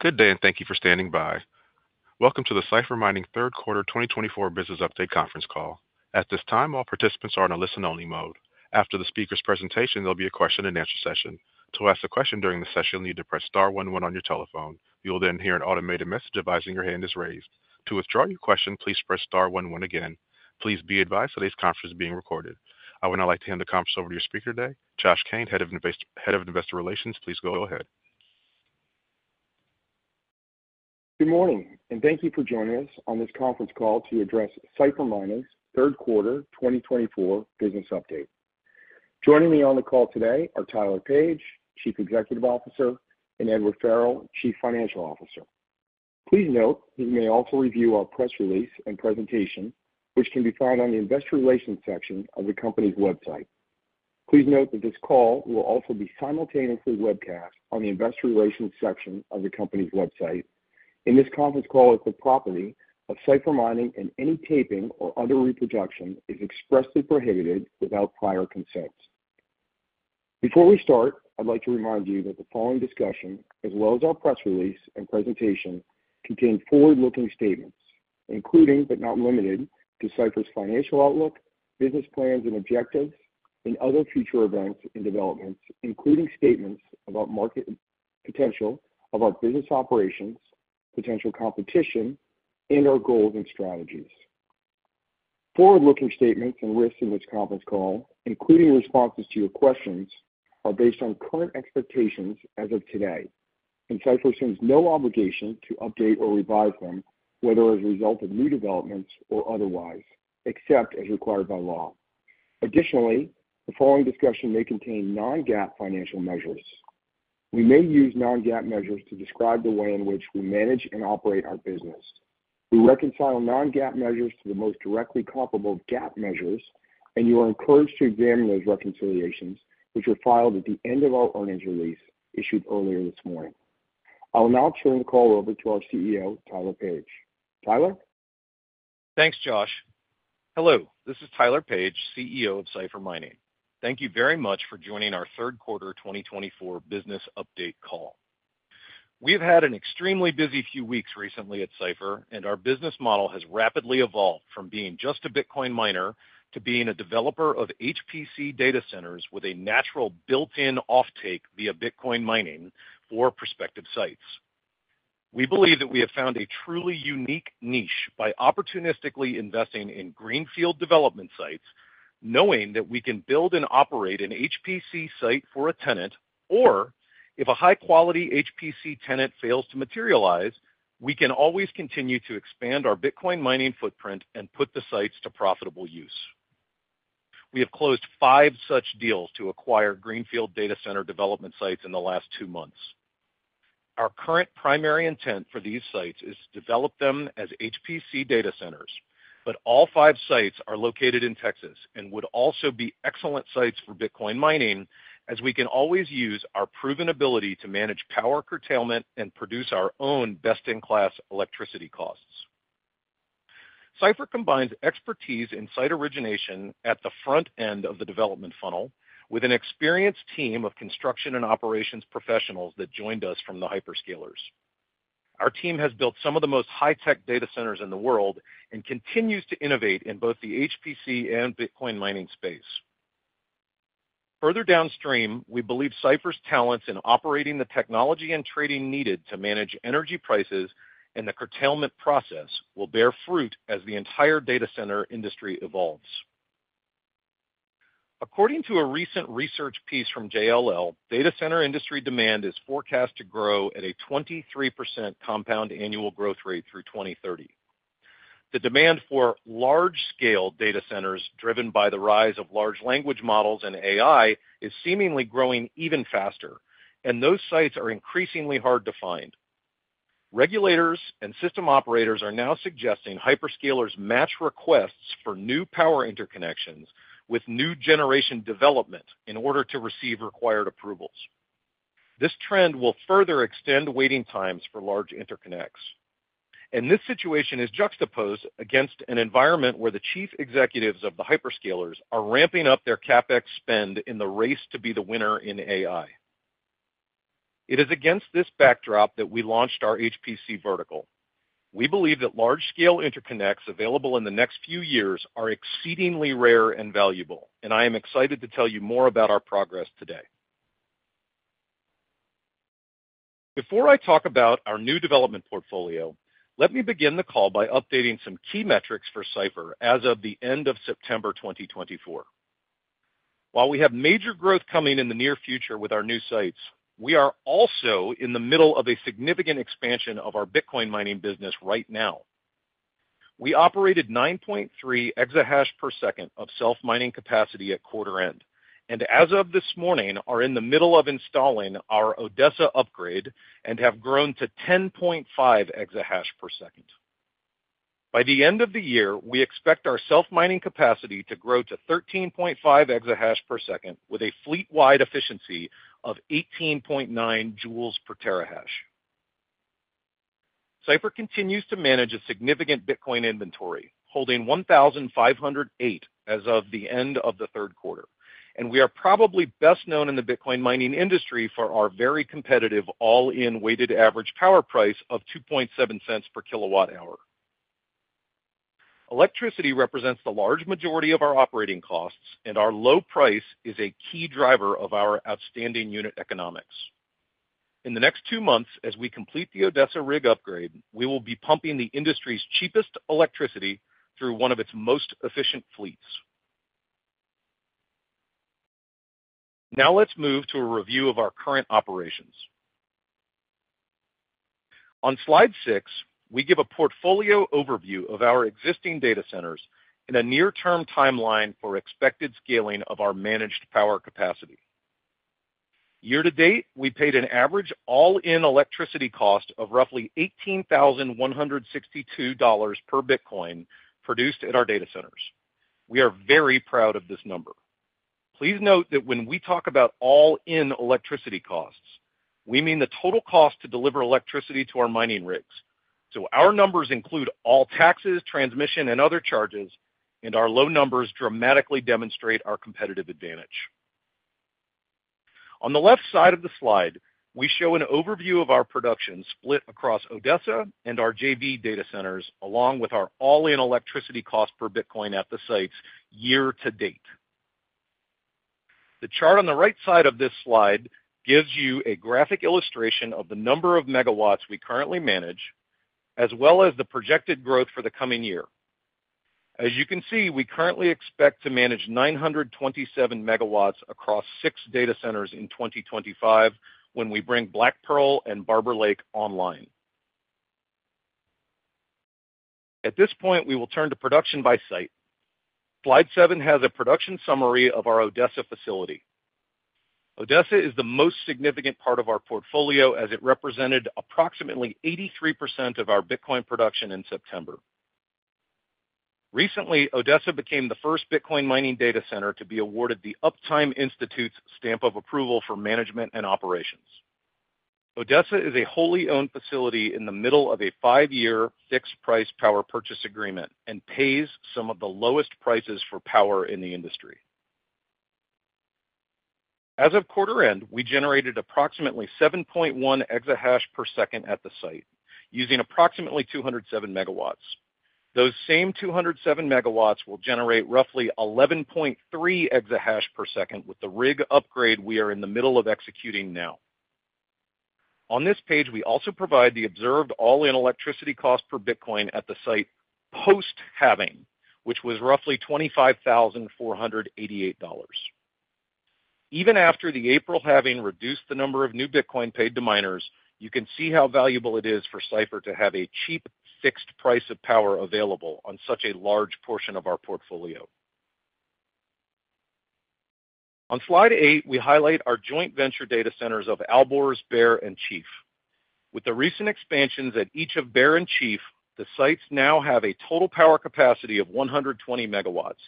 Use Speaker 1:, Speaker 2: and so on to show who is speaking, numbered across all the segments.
Speaker 1: Good day, and thank you for standing by. Welcome to the Cipher Mining Third Quarter 2024 Business Update Conference Call. At this time, all participants are in a listen-only mode. After the speaker's presentation, there'll be a question-and-answer session. To ask a question during the session, you'll need to press star 11 on your telephone. You'll then hear an automated message advising your hand is raised. To withdraw your question, please press star one one again. Please be advised today's conference is being recorded. I would now like to hand the conference over to your speaker today, Josh Kane, Head of Investor Relations. Please go ahead.
Speaker 2: Good morning, and thank you for joining us on this conference call to address Cipher Mining Third Quarter 2024 Business Update. Joining me on the call today are Tyler Page, Chief Executive Officer, and Edward Farrell, Chief Financial Officer. Please note he may also review our press release and presentation, which can be found on the Investor Relations section of the company's website. Please note that this call will also be simultaneously webcast on the Investor Relations section of the company's website. This conference call is the property of Cipher Mining, and any taping or other reproduction is expressly prohibited without prior consent. Before we start, I'd like to remind you that the following discussion, as well as our press release and presentation, contain forward-looking statements, including but not limited to Cipher's financial outlook, business plans and objectives, and other future events and developments, including statements about market potential of our business operations, potential competition, and our goals and strategies. Forward-looking statements and risks in this conference call, including responses to your questions, are based on current expectations as of today, and Cipher assumes no obligation to update or revise them, whether as a result of new developments or otherwise, except as required by law. Additionally, the following discussion may contain non-GAAP financial measures. We may use non-GAAP measures to describe the way in which we manage and operate our business. We reconcile non-GAAP measures to the most directly comparable GAAP measures, and you are encouraged to examine those reconciliations, which are filed at the end of our earnings release issued earlier this morning. I'll now turn the call over to our CEO, Tyler Page. Tyler?
Speaker 3: Thanks, Josh. Hello, this is Tyler Page, CEO of Cipher Mining. Thank you very much for joining our Third Quarter 2024 Business Update call. We have had an extremely busy few weeks recently at Cipher, and our business model has rapidly evolved from being just a Bitcoin miner to being a developer of HPC data centers with a natural built-in offtake via Bitcoin mining for prospective sites. We believe that we have found a truly unique niche by opportunistically investing in greenfield development sites, knowing that we can build and operate an HPC site for a tenant, or if a high-quality HPC tenant fails to materialize, we can always continue to expand our Bitcoin mining footprint and put the sites to profitable use. We have closed five such deals to acquire greenfield data center development sites in the last two months. Our current primary intent for these sites is to develop them as HPC data centers, but all five sites are located in Texas and would also be excellent sites for Bitcoin mining, as we can always use our proven ability to manage power curtailment and produce our own best-in-class electricity costs. Cipher combines expertise in site origination at the front end of the development funnel with an experienced team of construction and operations professionals that joined us from the hyperscalers. Our team has built some of the most high-tech data centers in the world and continues to innovate in both the HPC and Bitcoin mining space. Further downstream, we believe Cipher's talents in operating the technology and trading needed to manage energy prices and the curtailment process will bear fruit as the entire data center industry evolves. According to a recent research piece from JLL, data center industry demand is forecast to grow at a 23% compound annual growth rate through 2030. The demand for large-scale data centers, driven by the rise of large language models and AI, is seemingly growing even faster, and those sites are increasingly hard to find. Regulators and system operators are now suggesting hyperscalers match requests for new power interconnections with new generation development in order to receive required approvals. This trend will further extend waiting times for large interconnects. And this situation is juxtaposed against an environment where the chief executives of the hyperscalers are ramping up their CapEx spend in the race to be the winner in AI. It is against this backdrop that we launched our HPC vertical. We believe that large-scale interconnects available in the next few years are exceedingly rare and valuable, and I am excited to tell you more about our progress today. Before I talk about our new development portfolio, let me begin the call by updating some key metrics for Cipher as of the end of September 2024. While we have major growth coming in the near future with our new sites, we are also in the middle of a significant expansion of our Bitcoin mining business right now. We operated 9.3 exahash per second of self-mining capacity at quarter end, and as of this morning, are in the middle of installing our Odessa upgrade and have grown to 10.5 exahash per second. By the end of the year, we expect our self-mining capacity to grow to 13.5 exahash per second with a fleet-wide efficiency of 18.9 joules per terahash. Cipher continues to manage a significant Bitcoin inventory, holding 1,508 as of the end of the third quarter, and we are probably best known in the Bitcoin mining industry for our very competitive all-in weighted average power price of $0.027 per kilowatt-hour. Electricity represents the large majority of our operating costs, and our low price is a key driver of our outstanding unit economics. In the next two months, as we complete the Odessa rig upgrade, we will be pumping the industry's cheapest electricity through one of its most efficient fleets. Now let's move to a review of our current operations. On slide 6, we give a portfolio overview of our existing data centers and a near-term timeline for expected scaling of our managed power capacity. Year to date, we paid an average all-in electricity cost of roughly $18,162 per Bitcoin produced at our data centers. We are very proud of this number. Please note that when we talk about all-in electricity costs, we mean the total cost to deliver electricity to our mining rigs. So our numbers include all taxes, transmission, and other charges, and our low numbers dramatically demonstrate our competitive advantage. On the left side of the slide, we show an overview of our production split across Odessa and our JV data centers, along with our all-in electricity cost per Bitcoin at the sites year to date. The chart on the right side of this slide gives you a graphic illustration of the number of megawatts we currently manage, as well as the projected growth for the coming year. As you can see, we currently expect to manage 927 megawatts across six data centers in 2025 when we bring Black Pearl and Barber Lake online. At this point, we will turn to production by site. Slide 7 has a production summary of our Odessa facility. Odessa is the most significant part of our portfolio, as it represented approximately 83% of our Bitcoin production in September. Recently, Odessa became the first Bitcoin mining data center to be awarded the Uptime Institute's stamp of approval for management and operations. Odessa is a wholly owned facility in the middle of a five-year fixed-price power purchase agreement and pays some of the lowest prices for power in the industry. As of quarter end, we generated approximately 7.1 exahash per second at the site, using approximately 207 megawatts. Those same 207 megawatts will generate roughly 11.3 exahash per second with the rig upgrade we are in the middle of executing now. On this page, we also provide the observed all-in electricity cost per Bitcoin at the site post-halving, which was roughly $25,488. Even after the April halving reduced the number of new Bitcoin paid to miners, you can see how valuable it is forCipher to have a cheap fixed price of power available on such a large portion of our portfolio. On slide 8, we highlight our joint venture data centers of Alborz, Bear, and Chief. With the recent expansions at each of Bear and Chief, the sites now have a total power capacity of 120 megawatts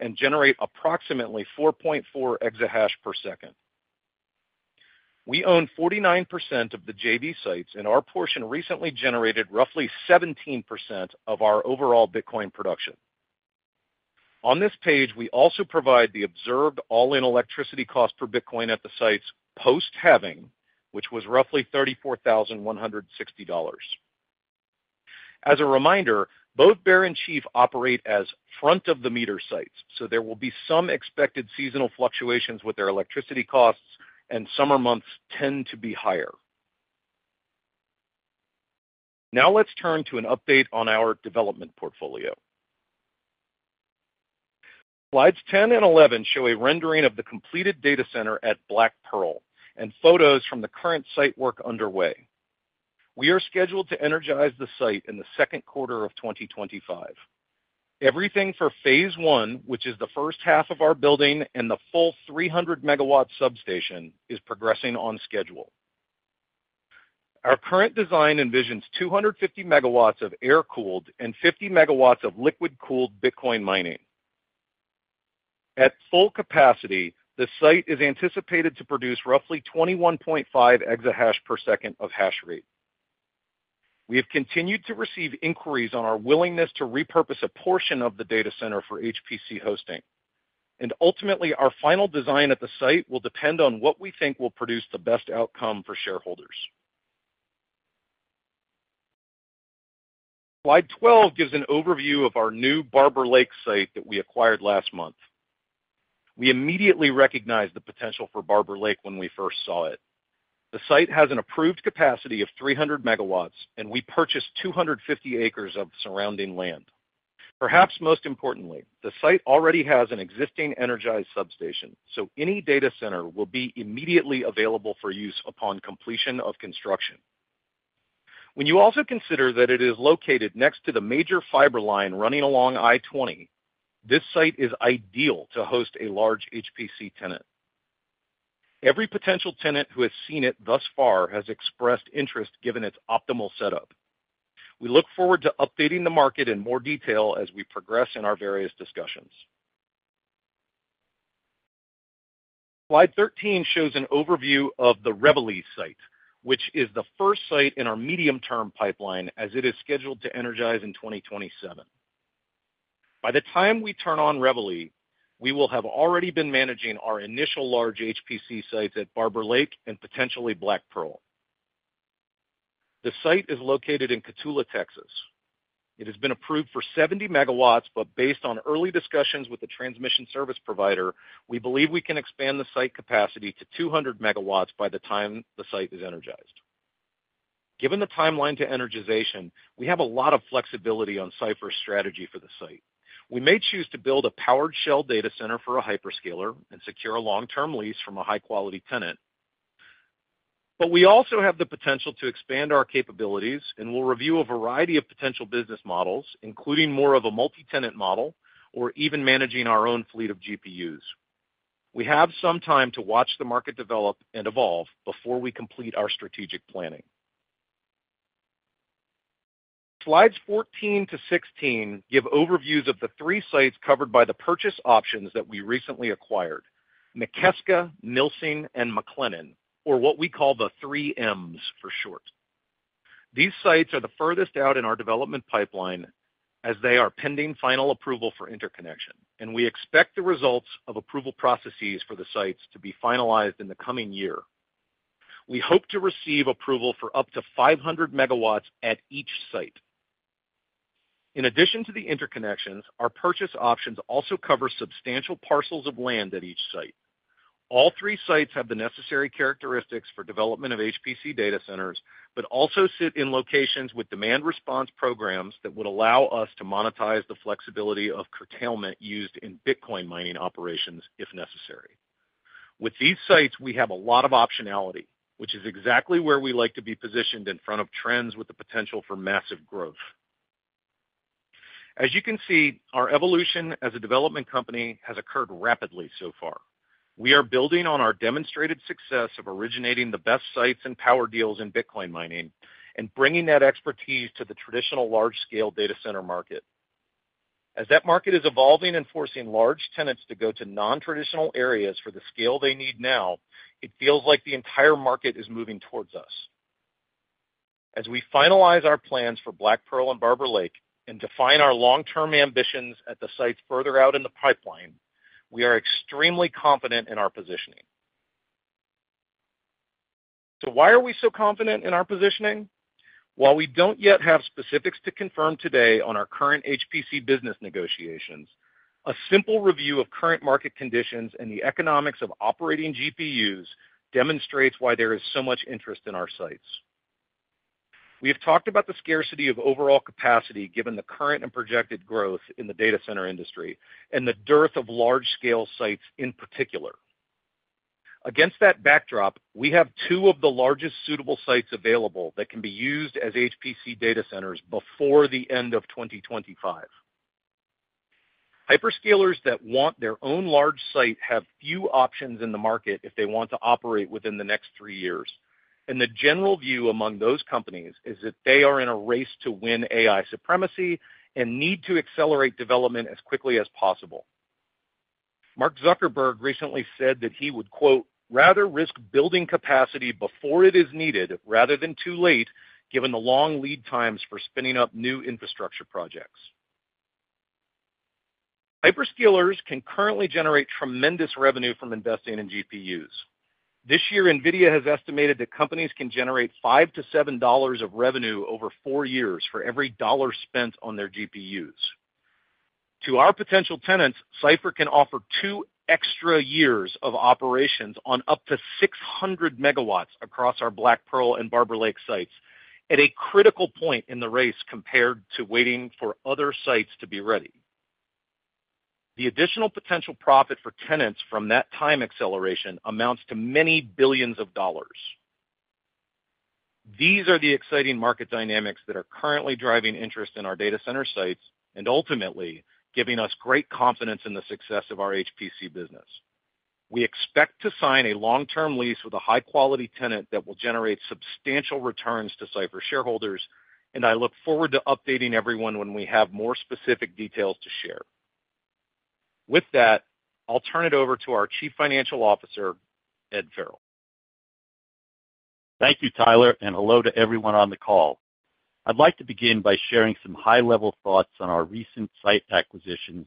Speaker 3: and generate approximately 4.4 exahash per second. We own 49% of the JV sites, and our portion recently generated roughly 17% of our overall Bitcoin production. On this page, we also provide the observed all-in electricity cost per Bitcoin at the sites post-halving, which was roughly $34,160. As a reminder, both Bear and Chief operate as front-of-the-meter sites, so there will be some expected seasonal fluctuations with their electricity costs, and summer months tend to be higher. Now let's turn to an update on our development portfolio. Slides 10 and 11 show a rendering of the completed data center at Black Pearl and photos from the current site work underway. We are scheduled to energize the site in the second quarter of 2025. Everything for phase 1, which is the first half of our building and the full 300-megawatt substation, is progressing on schedule. Our current design envisions 250 megawatts of air-cooled and 50 megawatts of liquid-cooled Bitcoin mining. At full capacity, the site is anticipated to produce roughly 21.5 exahash per second of hash rate. We have continued to receive inquiries on our willingness to repurpose a portion of the data center for HPC hosting, and ultimately, our final design at the site will depend on what we think will produce the best outcome for shareholders. Slide 12 gives an overview of our new Barber Lake site that we acquired last month. We immediately recognized the potential for Barber Lake when we first saw it. The site has an approved capacity of 300 megawatts, and we purchased 250 acres of surrounding land. Perhaps most importantly, the site already has an existing energized substation, so any data center will be immediately available for use upon completion of construction. When you also consider that it is located next to the major fiber line running along I-20, this site is ideal to host a large HPC tenant. Every potential tenant who has seen it thus far has expressed interest given its optimal setup. We look forward to updating the market in more detail as we progress in our various discussions. Slide 13 shows an overview of the Reveille site, which is the first site in our medium-term pipeline as it is scheduled to energize in 2027. By the time we turn on Reveille, we will have already been managing our initial large HPC sites at Barber Lake and potentially Black Pearl. The site is located in Cotulla, Texas. It has been approved for 70 megawatts, but based on early discussions with the transmission service provider, we believe we can expand the site capacity to 200 megawatts by the time the site is energized. Given the timeline to energization, we have a lot of flexibility on Cipher's strategy for the site. We may choose to build a powered shell data center for a hyperscaler and secure a long-term lease from a high-quality tenant. But we also have the potential to expand our capabilities and will review a variety of potential business models, including more of a multi-tenant model or even managing our own fleet of GPUs. We have some time to watch the market develop and evolve before we complete our strategic planning. Slides 14-16 give overviews of the three sites covered by the purchase options that we recently acquired: McKeska, Kneese, and McLennan, or what we call the 3Ms for short. These sites are the furthest out in our development pipeline as they are pending final approval for interconnection, and we expect the results of approval processes for the sites to be finalized in the coming year. We hope to receive approval for up to 500 megawatts at each site. In addition to the interconnections, our purchase options also cover substantial parcels of land at each site. All three sites have the necessary characteristics for development of HPC data centers, but also sit in locations with demand response programs that would allow us to monetize the flexibility of curtailment used in Bitcoin mining operations if necessary. With these sites, we have a lot of optionality, which is exactly where we like to be positioned in front of trends with the potential for massive growth. As you can see, our evolution as a development company has occurred rapidly so far. We are building on our demonstrated success of originating the best sites and power deals in Bitcoin mining and bringing that expertise to the traditional large-scale data center market. As that market is evolving and forcing large tenants to go to non-traditional areas for the scale they need now, it feels like the entire market is moving towards us. As we finalize our plans for Black Pearl and Barber Lake and define our long-term ambitions at the sites further out in the pipeline, we are extremely confident in our positioning. So why are we so confident in our positioning? While we don't yet have specifics to confirm today on our current HPC business negotiations, a simple review of current market conditions and the economics of operating GPUs demonstrates why there is so much interest in our sites. We have talked about the scarcity of overall capacity given the current and projected growth in the data center industry and the dearth of large-scale sites in particular. Against that backdrop, we have two of the largest suitable sites available that can be used as HPC data centers before the end of 2025. Hyperscalers that want their own large site have few options in the market if they want to operate within the next three years, and the general view among those companies is that they are in a race to win AI supremacy and need to accelerate development as quickly as possible. Mark Zuckerberg recently said that he would, "Rather risk building capacity before it is needed rather than too late, given the long lead times for spinning up new infrastructure projects." Hyperscalers can currently generate tremendous revenue from investing in GPUs. This year, NVIDIA has estimated that companies can generate 5-$7 of revenue over four years for every dollar spent on their GPUs. To our potential tenants, Cipher can offer two extra years of operations on up to 600 megawatts across our Black Pearl and Barber Lake sites at a critical point in the race compared to waiting for other sites to be ready. The additional potential profit for tenants from that time acceleration amounts to many billions of dollars. These are the exciting market dynamics that are currently driving interest in our data center sites and ultimately giving us great confidence in the success of our HPC business. We expect to sign a long-term lease with a high-quality tenant that will generate substantial returns to Cipher shareholders, and I look forward to updating everyone when we have more specific details to share. With that, I'll turn it over to our Chief Financial Officer, Ed Farrell.
Speaker 4: Thank you, Tyler, and hello to everyone on the call. I'd like to begin by sharing some high-level thoughts on our recent site acquisitions,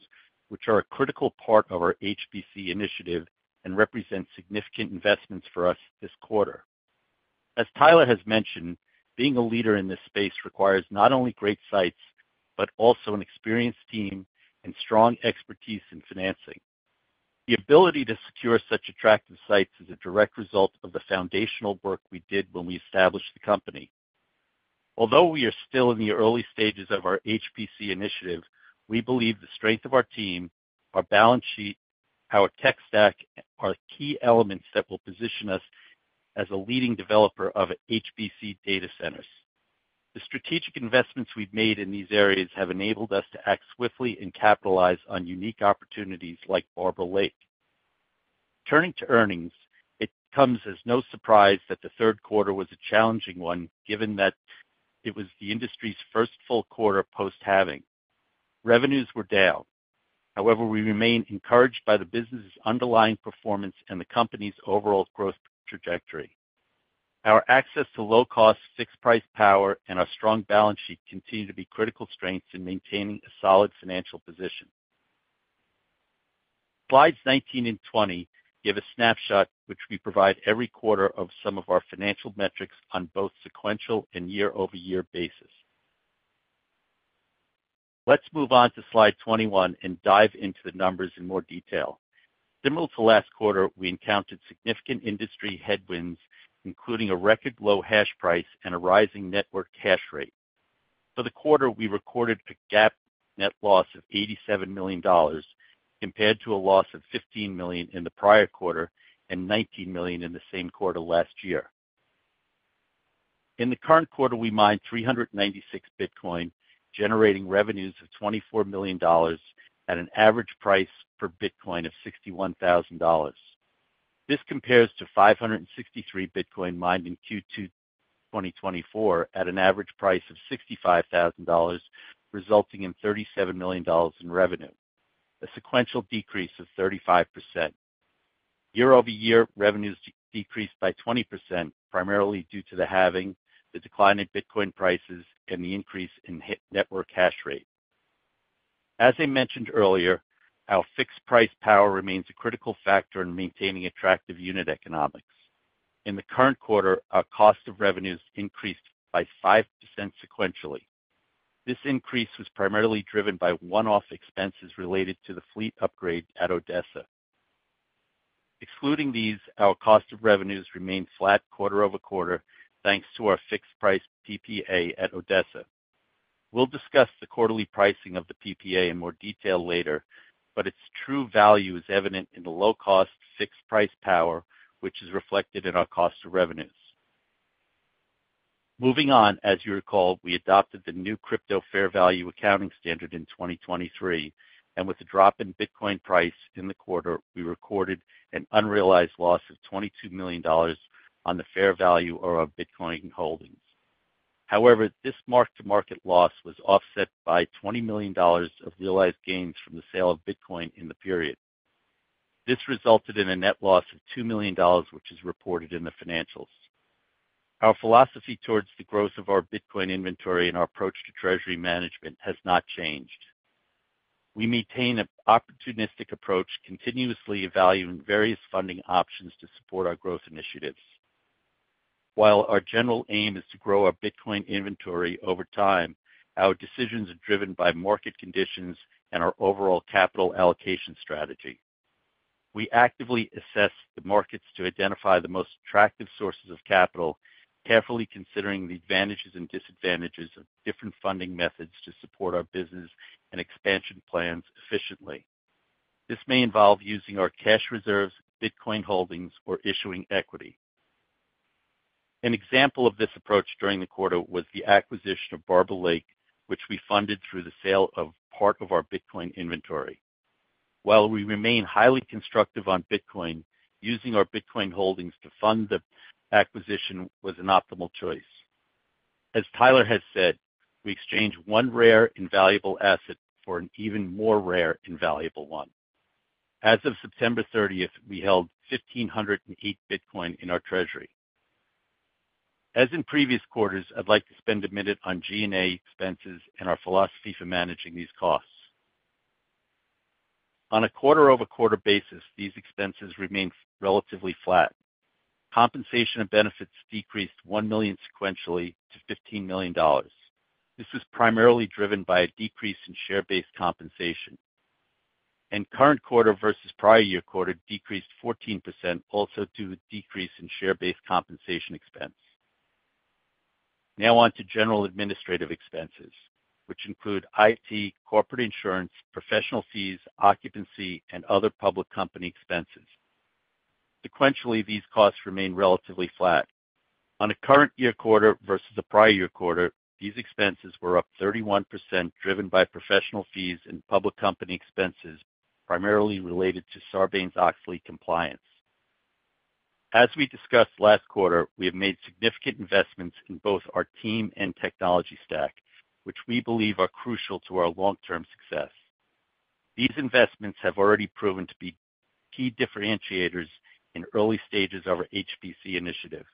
Speaker 4: which are a critical part of our HPC initiative and represent significant investments for us this quarter. As Tyler has mentioned, being a leader in this space requires not only great sites but also an experienced team and strong expertise in financing. The ability to secure such attractive sites is a direct result of the foundational work we did when we established the company. Although we are still in the early stages of our HPC initiative, we believe the strength of our team, our balance sheet, our tech stack, are key elements that will position us as a leading developer of HPC data centers. The strategic investments we've made in these areas have enabled us to act swiftly and capitalize on unique opportunities like Barber Lake. Turning to earnings, it comes as no surprise that the third quarter was a challenging one given that it was the industry's first full quarter post-halving. Revenues were down. However, we remain encouraged by the business's underlying performance and the company's overall growth trajectory. Our access to low-cost fixed-price power and our strong balance sheet continue to be critical strengths in maintaining a solid financial position. Slides 19 and 20 give a snapshot, which we provide every quarter, of some of our financial metrics on both sequential and year-over-year basis. Let's move on to slide 21 and dive into the numbers in more detail. Similar to last quarter, we encountered significant industry headwinds, including a record low hash price and a rising network hash rate. For the quarter, we recorded a GAAP net loss of $87 million compared to a loss of $15 million in the prior quarter and $19 million in the same quarter last year. In the current quarter, we mined 396 Bitcoin, generating revenues of $24 million at an average price per Bitcoin of $61,000. This compares to 563 Bitcoin mined in Q2 2024 at an average price of $65,000, resulting in $37 million in revenue, a sequential decrease of 35%. Year-over-year, revenues decreased by 20%, primarily due to the halving, the decline in Bitcoin prices, and the increase in network hash rate. As I mentioned earlier, our fixed-price power remains a critical factor in maintaining attractive unit economics. In the current quarter, our cost of revenues increased by 5% sequentially. This increase was primarily driven by one-off expenses related to the fleet upgrade at Odessa. Excluding these, our cost of revenues remained flat quarter over quarter thanks to our fixed-price PPA at Odessa. We'll discuss the quarterly pricing of the PPA in more detail later, but its true value is evident in the low-cost fixed-price power, which is reflected in our cost of revenues. Moving on, as you recall, we adopted the new crypto fair value accounting standard in 2023, and with the drop in Bitcoin price in the quarter, we recorded an unrealized loss of $22 million on the fair value of our Bitcoin holdings. However, this mark-to-market loss was offset by $20 million of realized gains from the sale of Bitcoin in the period. This resulted in a net loss of $2 million, which is reported in the financials. Our philosophy towards the growth of our Bitcoin inventory and our approach to treasury management has not changed. We maintain an opportunistic approach, continuously evaluating various funding options to support our growth initiatives. While our general aim is to grow our Bitcoin inventory over time, our decisions are driven by market conditions and our overall capital allocation strategy. We actively assess the markets to identify the most attractive sources of capital, carefully considering the advantages and disadvantages of different funding methods to support our business and expansion plans efficiently. This may involve using our cash reserves, Bitcoin holdings, or issuing equity. An example of this approach during the quarter was the acquisition of Barber Lake, which we funded through the sale of part of our Bitcoin inventory. While we remain highly constructive on Bitcoin, using our Bitcoin holdings to fund the acquisition was an optimal choice. As Tyler has said, we exchanged one rare invaluable asset for an even more rare invaluable one. As of September 30th, we held 1,508 Bitcoin in our treasury. As in previous quarters, I'd like to spend a minute on G&A expenses and our philosophy for managing these costs. On a quarter-over-quarter basis, these expenses remained relatively flat. Compensation and benefits decreased $1 million sequentially to $15 million. This was primarily driven by a decrease in share-based compensation, and current quarter versus prior year quarter decreased 14% also due to a decrease in share-based compensation expense. Now on to general administrative expenses, which include IT, corporate insurance, professional fees, occupancy, and other public company expenses. Sequentially, these costs remain relatively flat. On a current year quarter versus a prior year quarter, these expenses were up 31% driven by professional fees and public company expenses primarily related to Sarbanes-Oxley compliance. As we discussed last quarter, we have made significant investments in both our team and technology stack, which we believe are crucial to our long-term success. These investments have already proven to be key differentiators in early stages of our HPC initiative.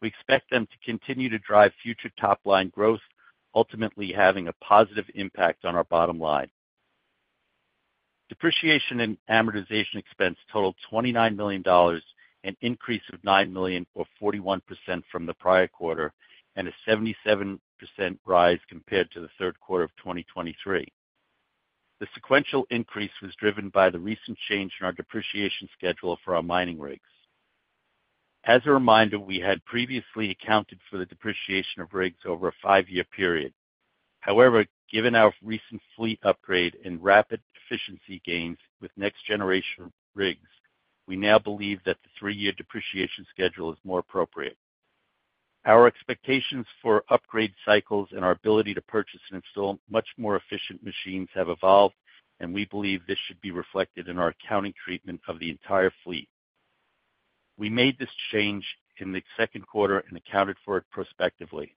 Speaker 4: We expect them to continue to drive future top-line growth, ultimately having a positive impact on our bottom line. Depreciation and amortization expense totaled $29 million and increased with $9 million, or 41% from the prior quarter, and a 77% rise compared to the third quarter of 2023. The sequential increase was driven by the recent change in our depreciation schedule for our mining rigs. As a reminder, we had previously accounted for the depreciation of rigs over a five-year period. However, given our recent fleet upgrade and rapid efficiency gains with next-generation rigs, we now believe that the three-year depreciation schedule is more appropriate. Our expectations for upgrade cycles and our ability to purchase and install much more efficient machines have evolved, and we believe this should be reflected in our accounting treatment of the entire fleet. We made this change in the second quarter and accounted for it prospectively.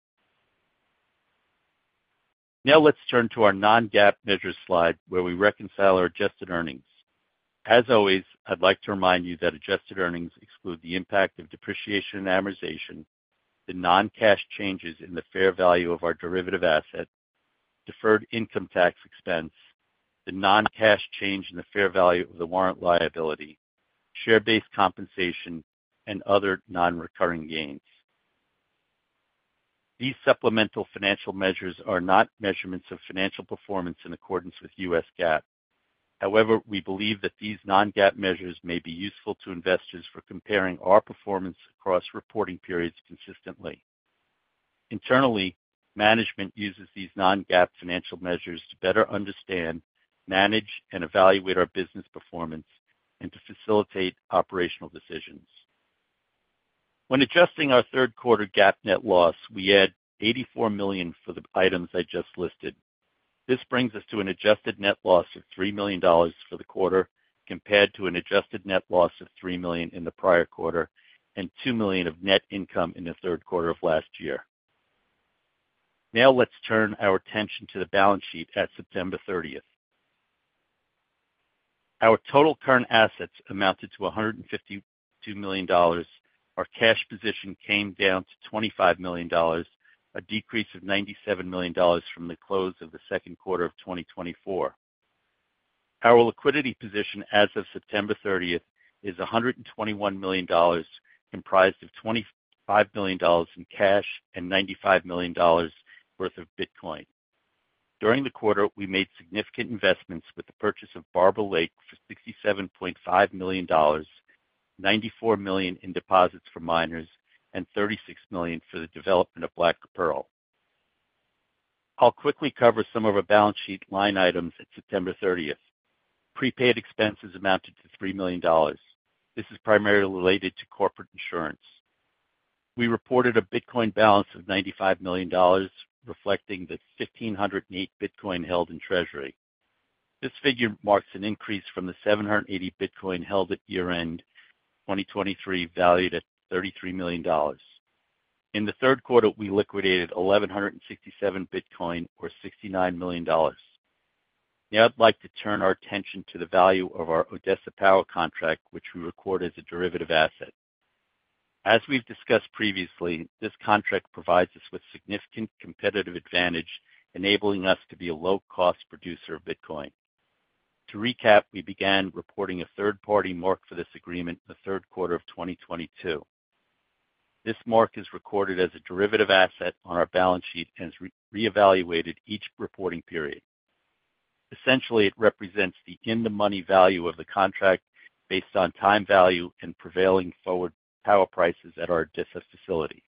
Speaker 4: Now let's turn to our non-GAAP measures slide, where we reconcile our adjusted earnings. As always, I'd like to remind you that adjusted earnings exclude the impact of depreciation and amortization, the non-cash changes in the fair value of our derivative asset, deferred income tax expense, the non-cash change in the fair value of the warrant liability, share-based compensation, and other non-recurring gains. These supplemental financial measures are not measurements of financial performance in accordance with U.S. GAAP. However, we believe that these non-GAAP measures may be useful to investors for comparing our performance across reporting periods consistently. Internally, management uses these non-GAAP financial measures to better understand, manage, and evaluate our business performance and to facilitate operational decisions. When adjusting our third quarter GAAP net loss, we add $84 million for the items I just listed. This brings us to an adjusted net loss of $3 million for the quarter compared to an adjusted net loss of $3 million in the prior quarter and $2 million of net income in the third quarter of last year. Now let's turn our attention to the balance sheet at September 30th. Our total current assets amounted to $152 million. Our cash position came down to $25 million, a decrease of $97 million from the close of the second quarter of 2024. Our liquidity position as of September 30th is $121 million, comprised of $25 million in cash and $95 million worth of Bitcoin. During the quarter, we made significant investments with the purchase of Barber Lake for $67.5 million, $94 million in deposits for miners, and $36 million for the development of Black Pearl. I'll quickly cover some of our balance sheet line items at September 30th. Prepaid expenses amounted to $3 million. This is primarily related to corporate insurance. We reported a Bitcoin balance of $95 million, reflecting the 1,508 Bitcoin held in treasury. This figure marks an increase from the 780 Bitcoin held at year-end 2023, valued at $33 million. In the third quarter, we liquidated 1,167 Bitcoin, or $69 million. Now I'd like to turn our attention to the value of our Odessa power contract, which we record as a derivative asset. As we've discussed previously, this contract provides us with significant competitive advantage, enabling us to be a low-cost producer of Bitcoin. To recap, we began reporting a third-party mark for this agreement in thethird quarter of 2022. This mark is recorded as a derivative asset on our balance sheet and is reevaluated each reporting period. Essentially, it represents the in-the-money value of the contract based on time value and prevailing forward power prices at our Odessa facility.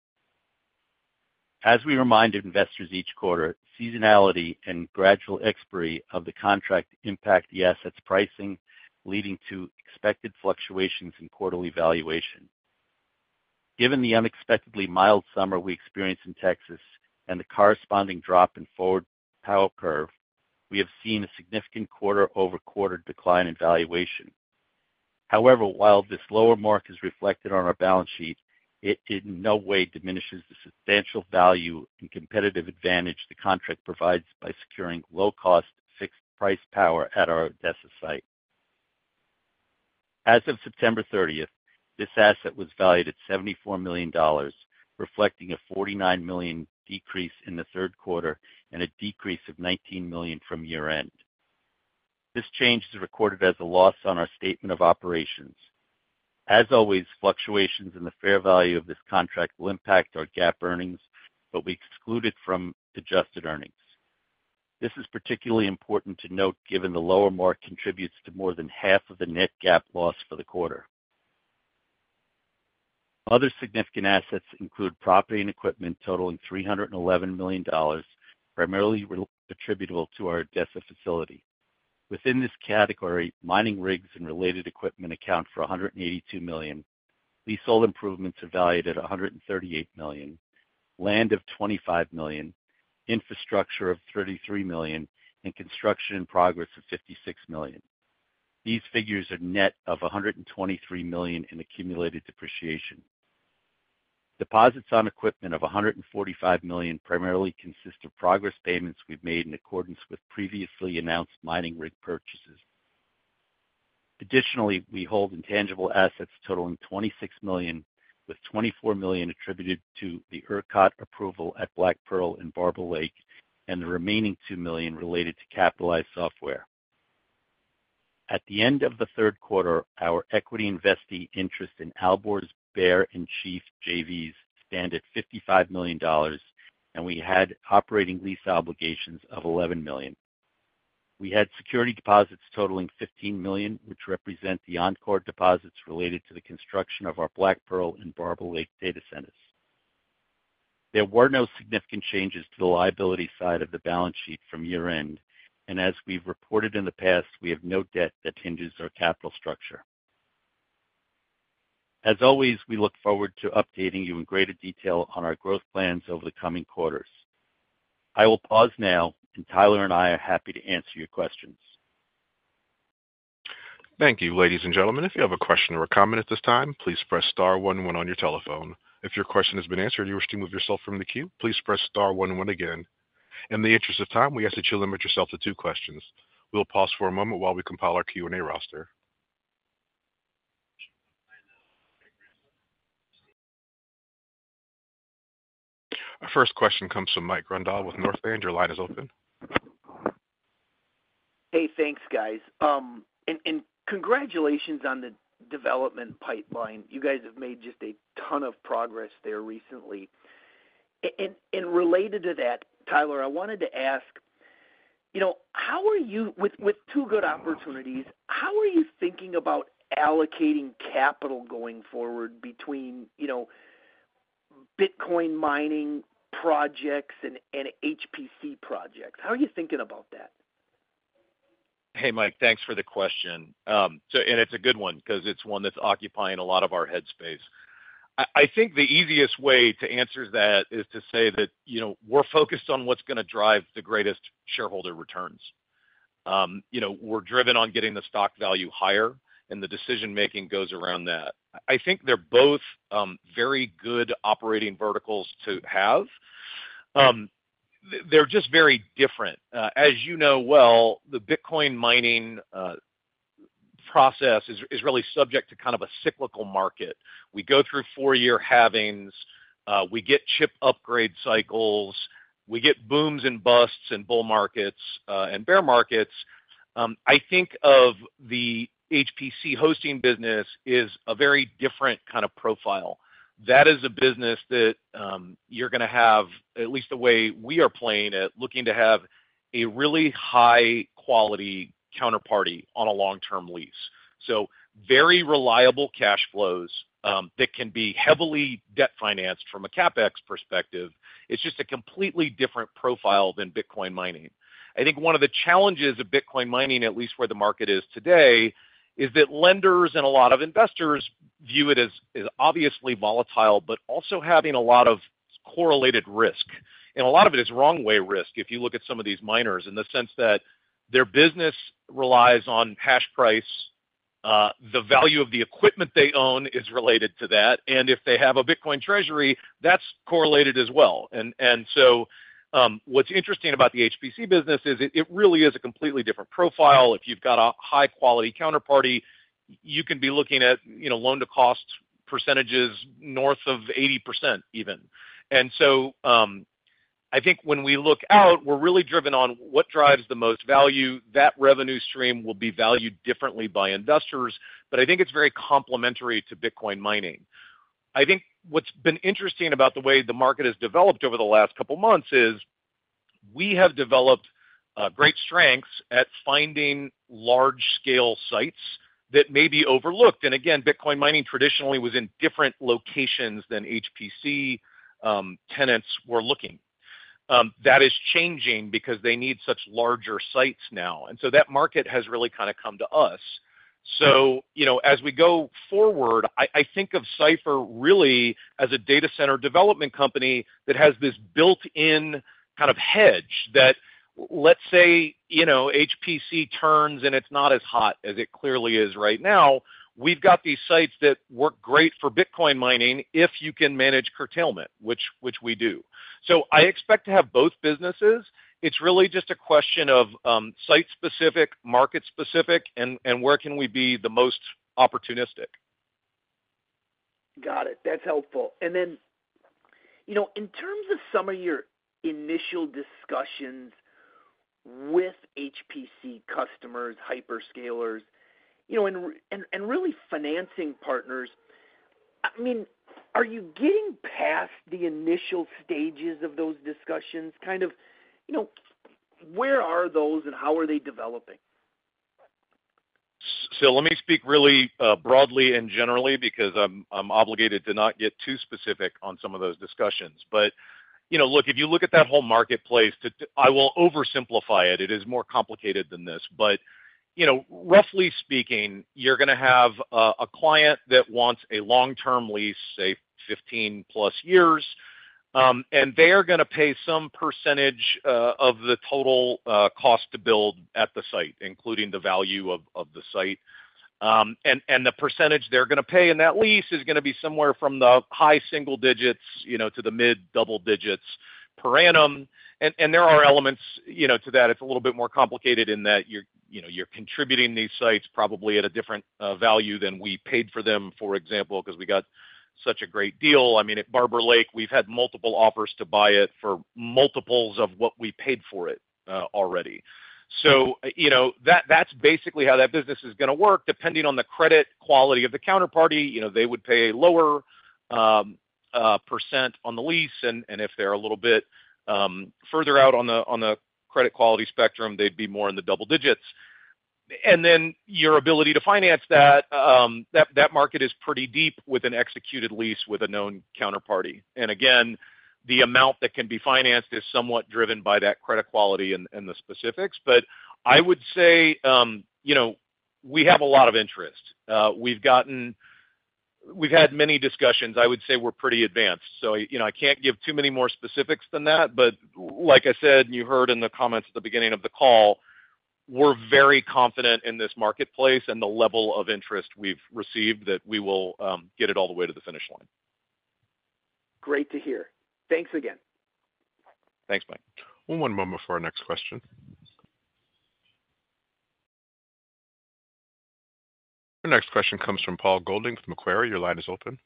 Speaker 4: As we reminded investors each quarter, seasonality and gradual expiry of the contract impact the asset's pricing, leading to expected fluctuations in quarterly valuation. Given the unexpectedly mild summer we experienced in Texas and the corresponding drop in forward power curve, we have seen a significant quarter-over-quarter decline in valuation. However, while this lower mark is reflected on our balance sheet, it in no way diminishes the substantial value and competitive advantage the contract provides by securing low-cost fixed-price power at our Odessa site. As of September 30th, this asset was valued at $74 million, reflecting a $49 million decrease in thethird quarter and a decrease of $19 million from year-end. This change is recorded as a loss on our statement of operations. As always, fluctuations in the fair value of this contract will impact our GAAP earnings, but we exclude it from adjusted earnings. This is particularly important to note given the lower mark contributes to more than half of the net GAAP loss for the quarter. Other significant assets include property and equipment totaling $311 million, primarily attributable to our Odessa facility. Within this category, mining rigs and related equipment account for $182 million. These site improvements are valued at $138 million, land of $25 million, infrastructure of $33 million, and construction in progress of $56 million. These figures are net of $123 million in accumulated depreciation. Deposits on equipment of $145 million primarily consist of progress payments we've made in accordance with previously announced mining rig purchases. Additionally, we hold intangible assets totaling $26 million, with $24 million attributed to the ERCOT approval at Black Pearl and Barber Lake, and the remaining $2 million related to capitalized software. At the end of thethird quarter, our equity and vested interest in Alborz, Bear, and Chief JVs stand at $55 million, and we had operating lease obligations of $11 million. We had security deposits totaling $15 million, which represent the Oncor deposits related to the construction of our Black Pearl and Barber Lake data centers. There were no significant changes to the liability side of the balance sheet from year-end, and as we've reported in the past, we have no debt that hinges our capital structure. As always, we look forward to updating you in greater detail on our growth plans over the coming quarters. I will pause now, and Tyler and I are happy to answer your questions.
Speaker 1: Thank you, ladies and gentlemen. If you have a question or a comment at this time, please press star one when on your telephone. If your question has been answered and you wish to move yourself from the queue, please press star one when again. In the interest of time, we ask that you limit yourself to two questions. We'll pause for a moment while we compile our Q&A roster. Our first question comes from Mike Grondahl with Northland. Your line is open.
Speaker 5: Hey, thanks, guys. And congratulations on the development pipeline. You guys have made just a ton of progress there recently. And related to that, Tyler, I wanted to ask, with two good opportunities, how are you thinking about allocating capital going forward between Bitcoin mining projects and HPC projects? How are you thinking about that?
Speaker 3: Hey, Mike, thanks for the question. And it's a good one because it's one that's occupying a lot of our headspace. I think the easiest way to answer that is to say that we're focused on what's going to drive the greatest shareholder returns. We're driven on getting the stock value higher, and the decision-making goes around that. I think they're both very good operating verticals to have. They're just very different. As you know well, the Bitcoin mining process is really subject to kind of a cyclical market. We go through four-year halvings. We get chip upgrade cycles. We get booms and busts in bull markets and bear markets. I think of the HPC hosting business as a very different kind of profile. That is a business that you're going to have, at least the way we are playing it, looking to have a really high-quality counterparty on a long-term lease. So very reliable cash flows that can be heavily debt financed from a CapEx perspective. It's just a completely different profile than Bitcoin mining. I think one of the challenges of Bitcoin mining, at least where the market is today, is that lenders and a lot of investors view it as obviously volatile, but also having a lot of correlated risk. And a lot of it is wrong-way risk if you look at some of these miners in the sense that their business relies on hash price. The value of the equipment they own is related to that. And if they have a Bitcoin treasury, that's correlated as well. And so what's interesting about the HPC business is it really is a completely different profile. If you've got a high-quality counterparty, you can be looking at loan-to-cost percentages north of 80% even. And so I think when we look out, we're really driven on what drives the most value. That revenue stream will be valued differently by investors, but I think it's very complementary to Bitcoin mining. I think what's been interesting about the way the market has developed over the last couple of months is we have developed great strengths at finding large-scale sites that may be overlooked. And again, Bitcoin mining traditionally was in different locations than HPC tenants were looking. That is changing because they need such larger sites now. And so that market has really kind of come to us. So as we go forward, I think of Cipher really as a data center development company that has this built-in kind of hedge that, let's say, HPC turns and it's not as hot as it clearly is right now, we've got these sites that work great for Bitcoin mining if you can manage curtailment, which we do. So I expect to have both businesses. It's really just a question of site-specific, market-specific, and where can we be the most opportunistic.
Speaker 5: Got it. That's helpful. And then in terms of some of your initial discussions with HPC customers, hyperscalers, and really financing partners, I mean, are you getting past the initial stages of those discussions? Kind of where are those and how are they developing?
Speaker 3: Let me speak really broadly and generally because I'm obligated to not get too specific on some of those discussions. But look, if you look at that whole marketplace, I will oversimplify it. It is more complicated than this. But roughly speaking, you're going to have a client that wants a long-term lease, say, 15-plus years, and they are going to pay some percentage of the total cost to build at the site, including the value of the site. And the percentage they're going to pay in that lease is going to be somewhere from the high single digits to the mid-double digits per annum. And there are elements to that. It's a little bit more complicated in that you're contributing these sites probably at a different value than we paid for them, for example, because we got such a great deal. I mean, at Barber Lake, we've had multiple offers to buy it for multiples of what we paid for it already. So that's basically how that business is going to work. Depending on the credit quality of the counterparty, they would pay a lower percent on the lease. And if they're a little bit further out on the credit quality spectrum, they'd be more in the double digits. And then your ability to finance that, that market is pretty deep with an executed lease with a known counterparty. And again, the amount that can be financed is somewhat driven by that credit quality and the specifics. But I would say we have a lot of interest. We've had many discussions. I would say we're pretty advanced. So I can't give too many more specifics than that. But like I said, you heard in the comments at the beginning of the call, we're very confident in this marketplace and the level of interest we've received that we will get it all the way to the finish line.
Speaker 5: Great to hear. Thanks again.
Speaker 3: Thanks, Mike.
Speaker 1: One moment before our next question. Our next question comes from Paul Golding with Macquarie. Your line is open.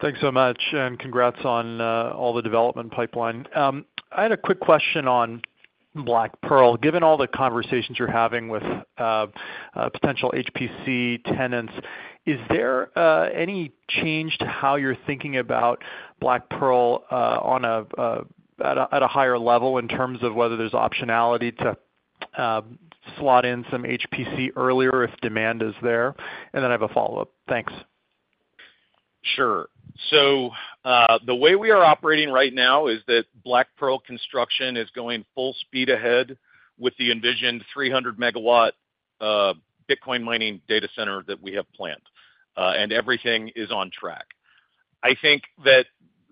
Speaker 6: Thanks so much. And congrats on all the development pipeline. I had a quick question on Black Pearl. Given all the conversations you're having with potential HPC tenants, is there any change to how you're thinking about Black Pearl at a higher level in terms of whether there's optionality to slot in some HPC earlier if demand is there? And then I have a follow-up. Thanks.
Speaker 3: Sure. So the way we are operating right now is that Black Pearl construction is going full speed ahead with the envisioned 300-megawatt Bitcoin mining data center that we have planned. And everything is on track. I think that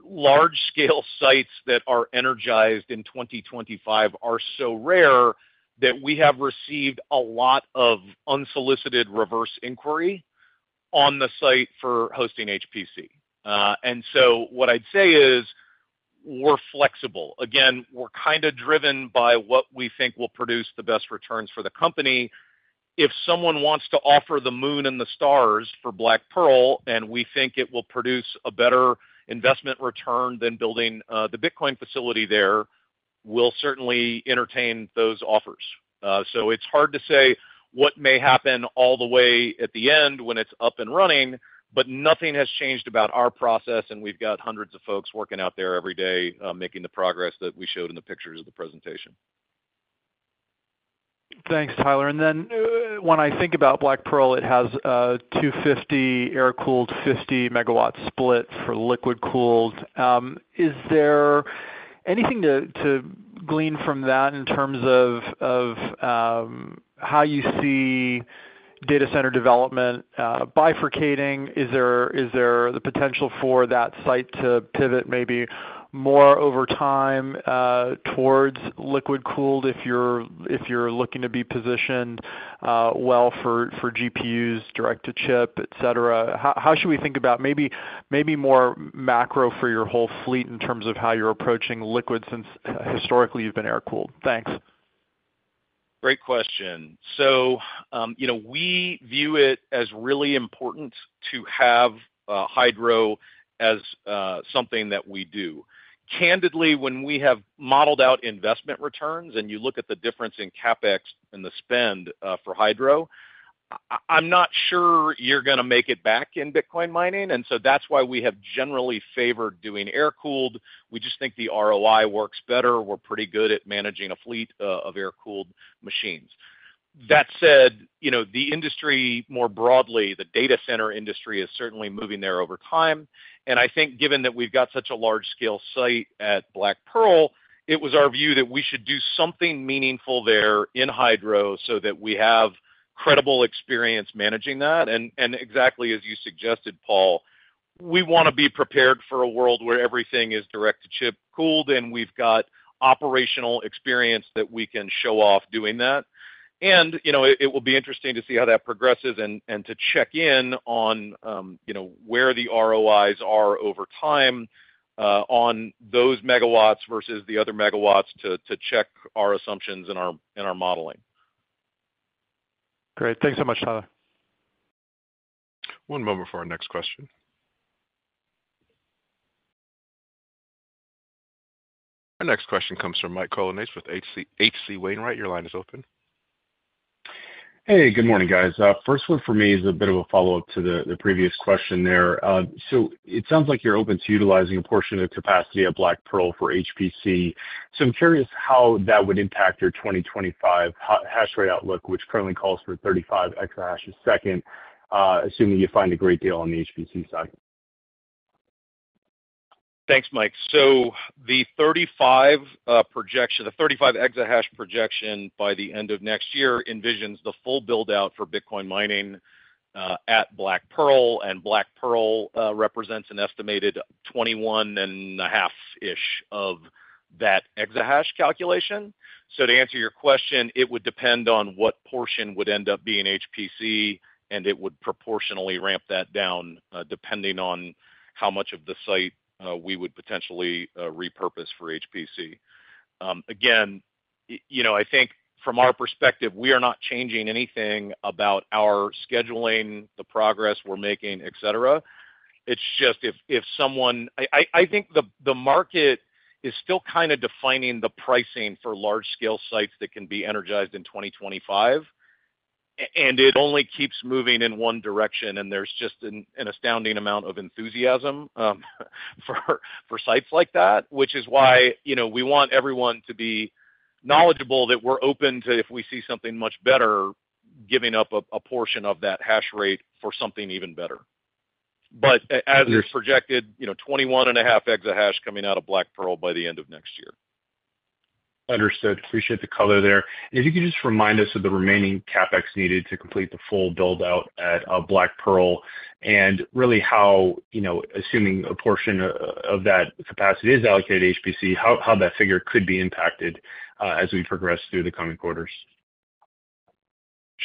Speaker 3: large-scale sites that are energized in 2025 are so rare that we have received a lot of unsolicited reverse inquiry on the site for hosting HPC. And so what I'd say is we're flexible. Again, we're kind of driven by what we think will produce the best returns for the company. If someone wants to offer the moon and the stars for Black Pearl, and we think it will produce a better investment return than building the Bitcoin facility there, we'll certainly entertain those offers. So it's hard to say what may happen all the way at the end when it's up and running, but nothing has changed about our process, and we've got hundreds of folks working out there every day making the progress that we showed in the pictures of the presentation.
Speaker 6: Thanks, Tyler. And then when I think about Black Pearl, it has a 250 air-cooled 50-megawatt split for liquid cooled. Is there anything to glean from that in terms of how you see data center development bifurcating? Is there the potential for that site to pivot maybe more over time towards liquid cooled if you're looking to be positioned well for GPUs, direct-to-chip, etc.? How should we think about maybe more macro for your whole fleet in terms of how you're approaching liquid since historically you've been air-cooled? Thanks.
Speaker 3: Great question. So we view it as really important to have Hydro as something that we do. Candidly, when we have modeled out investment returns and you look at the difference in CapEx and the spend for Hydro, I'm not sure you're going to make it back in Bitcoin mining. And so that's why we have generally favored doing air-cooled. We just think the ROI works better. We're pretty good at managing a fleet of air-cooled machines. That said, the industry more broadly, the data center industry is certainly moving there over time. And I think given that we've got such a large-scale site at Black Pearl, it was our view that we should do something meaningful there in Hydro so that we have credible experience managing that. Exactly as you suggested, Paul, we want to be prepared for a world where everything is direct-to-chip cooled and we've got operational experience that we can show off doing that. It will be interesting to see how that progresses and to check in on where the ROIs are over time on those megawatts versus the other megawatts to check our assumptions and our modeling.
Speaker 6: Great. Thanks so much, Tyler.
Speaker 1: One moment before our next question. Our next question comes from Mike Colonnese with H.C. Wainwright. Your line is open.
Speaker 7: Hey, good morning, guys. First one for me is a bit of a follow-up to the previous question there. So it sounds like you're open to utilizing a portion of the capacity of Black Pearl for HPC. So I'm curious how that would impact your 2025 hash rate outlook, which currently calls for 35 exahashes a second, assuming you find a great deal on the HPC side.
Speaker 3: Thanks, Mike. So the 35 exahash projection by the end of next year envisions the full buildout for Bitcoin mining at Black Pearl. And Black Pearl represents an estimated 21.5-ish of that exahash calculation. So to answer your question, it would depend on what portion would end up being HPC, and it would proportionally ramp that down depending on how much of the site we would potentially repurpose for HPC. Again, I think from our perspective, we are not changing anything about our scheduling, the progress we're making, etc. It's just if someone I think the market is still kind of defining the pricing for large-scale sites that can be energized in 2025. And it only keeps moving in one direction, and there's just an astounding amount of enthusiasm for sites like that, which is why we want everyone to be knowledgeable that we're open to, if we see something much better, giving up a portion of that hash rate for something even better. But as it's projected, 21.5 exahash coming out of Black Pearl by the end of next year.
Speaker 7: Understood. Appreciate the color there. If you could just remind us of the remaining CapEx needed to complete the full buildout at Black Pearl and really how, assuming a portion of that capacity is allocated to HPC, how that figure could be impacted as we progress through the coming quarters?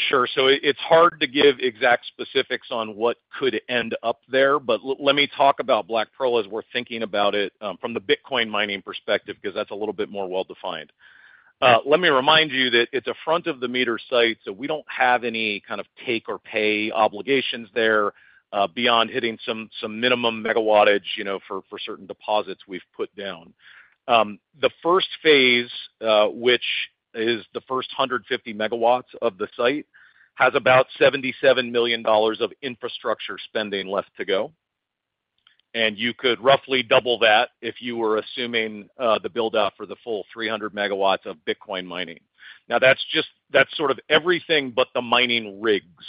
Speaker 3: Sure, so it's hard to give exact specifics on what could end up there, but let me talk about Black Pearl as we're thinking about it from the Bitcoin mining perspective because that's a little bit more well-defined. Let me remind you that it's a front-of-the-meter site, so we don't have any kind of take-or-pay obligations there beyond hitting some minimum megawattage for certain deposits we've put down. The first phase, which is the first 150 megawatts of the site, has about $77 million of infrastructure spending left to go, and you could roughly double that if you were assuming the buildout for the full 300 megawatts of Bitcoin mining. Now, that's sort of everything but the mining rigs.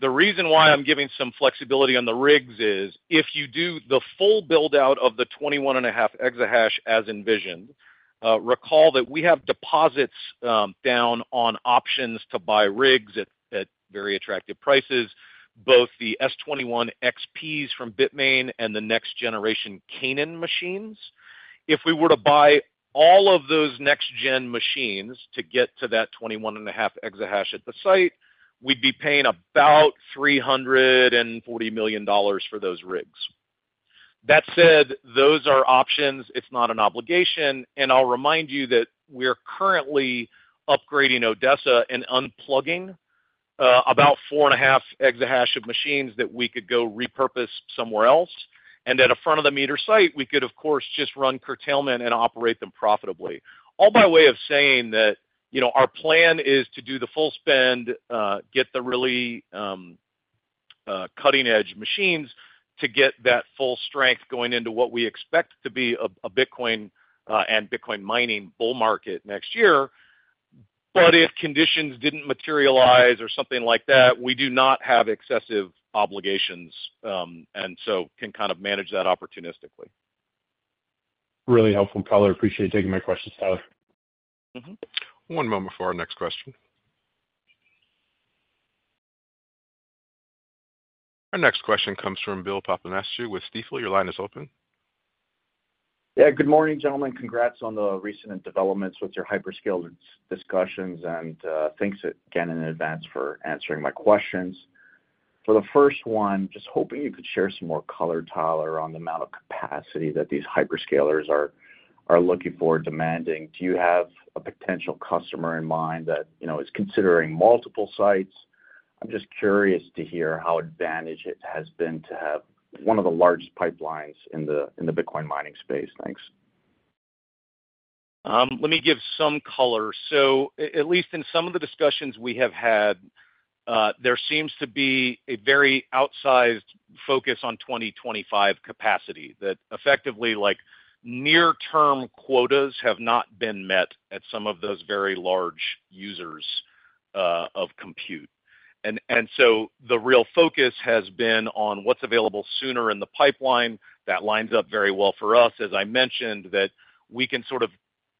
Speaker 3: The reason why I'm giving some flexibility on the rigs is if you do the full buildout of the 21.5 exahash as envisioned, recall that we have deposits down on options to buy rigs at very attractive prices, both the S21XPs from Bitmain and the next-generation Canaan machines. If we were to buy all of those next-gen machines to get to that 21.5 exahash at the site, we'd be paying about $340 million for those rigs. That said, those are options. It's not an obligation. And I'll remind you that we're currently upgrading Odessa and unplugging about 4.5 exahash of machines that we could go repurpose somewhere else. And at a front-of-the-meter site, we could, of course, just run curtailment and operate them profitably. All by way of saying that our plan is to do the full spend, get the really cutting-edge machines to get that full strength going into what we expect to be a Bitcoin and Bitcoin mining bull market next year. But if conditions didn't materialize or something like that, we do not have excessive obligations and so can kind of manage that opportunistically.
Speaker 7: Really helpful, Paul. I appreciate you taking my questions, Tyler.
Speaker 1: One moment before our next question. Our next question comes from Bill Papanastasiou with Stifel. Your line is open.
Speaker 8: Yeah. Good morning, gentlemen. Congrats on the recent developments with your hyperscalers discussions. And thanks again in advance for answering my questions. For the first one, just hoping you could share some more color, Tyler, on the amount of capacity that these hyperscalers are looking for, demanding. Do you have a potential customer in mind that is considering multiple sites? I'm just curious to hear how advantageous it has been to have one of the largest pipelines in the Bitcoin mining space. Thanks.
Speaker 3: Let me give some color. So at least in some of the discussions we have had, there seems to be a very outsized focus on 2025 capacity that effectively near-term quotas have not been met at some of those very large users of compute. And so the real focus has been on what's available sooner in the pipeline. That lines up very well for us, as I mentioned, that we can sort of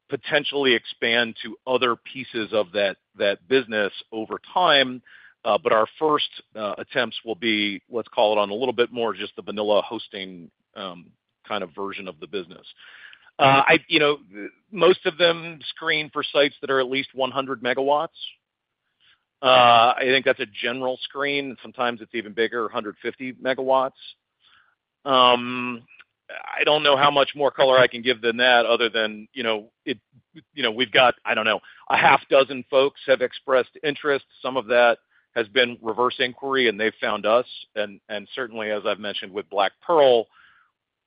Speaker 3: potentially expand to other pieces of that business over time. But our first attempts will be, let's call it on a little bit more just the vanilla hosting kind of version of the business. Most of them screen for sites that are at least 100 megawatts. I think that's a general screen. Sometimes it's even bigger, 150 megawatts. I don't know how much more color I can give than that other than we've got, I don't know, 6 folks have expressed interest. Some of that has been reverse inquiry, and they've found us. Certainly, as I've mentioned with Black Pearl,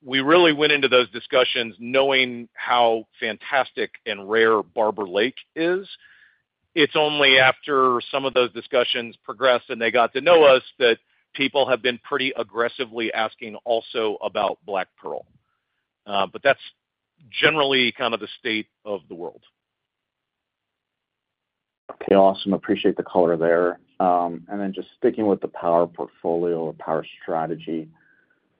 Speaker 3: we really went into those discussions knowing how fantastic and rare Barber Lake is. It's only after some of those discussions progressed and they got to know us that people have been pretty aggressively asking also about Black Pearl. That's generally kind of the state of the world.
Speaker 8: Okay. Awesome. Appreciate the color there, and then just sticking with the power portfolio or power strategy,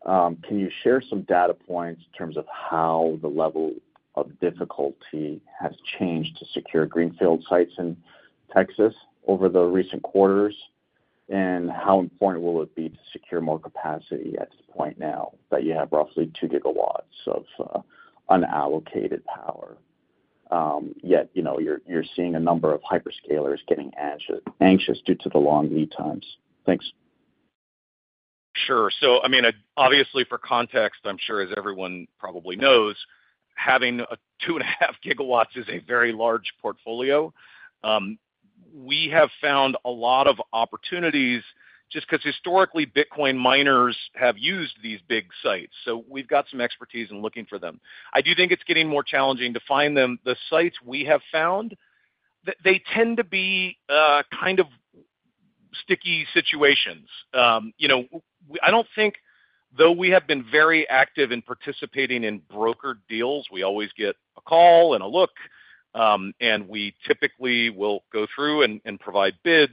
Speaker 8: can you share some data points in terms of how the level of difficulty has changed to secure greenfield sites in Texas over the recent quarters, and how important will it be to secure more capacity at this point now that you have roughly 2 gigawatts of unallocated power, yet you're seeing a number of hyperscalers getting anxious due to the long lead times? Thanks.
Speaker 3: Sure. So I mean, obviously, for context, I'm sure as everyone probably knows, having 2.5 gigawatts is a very large portfolio. We have found a lot of opportunities just because historically Bitcoin miners have used these big sites. So we've got some expertise in looking for them. I do think it's getting more challenging to find them. The sites we have found, they tend to be kind of sticky situations. I don't think, though we have been very active in participating in broker deals, we always get a call and a look, and we typically will go through and provide bids.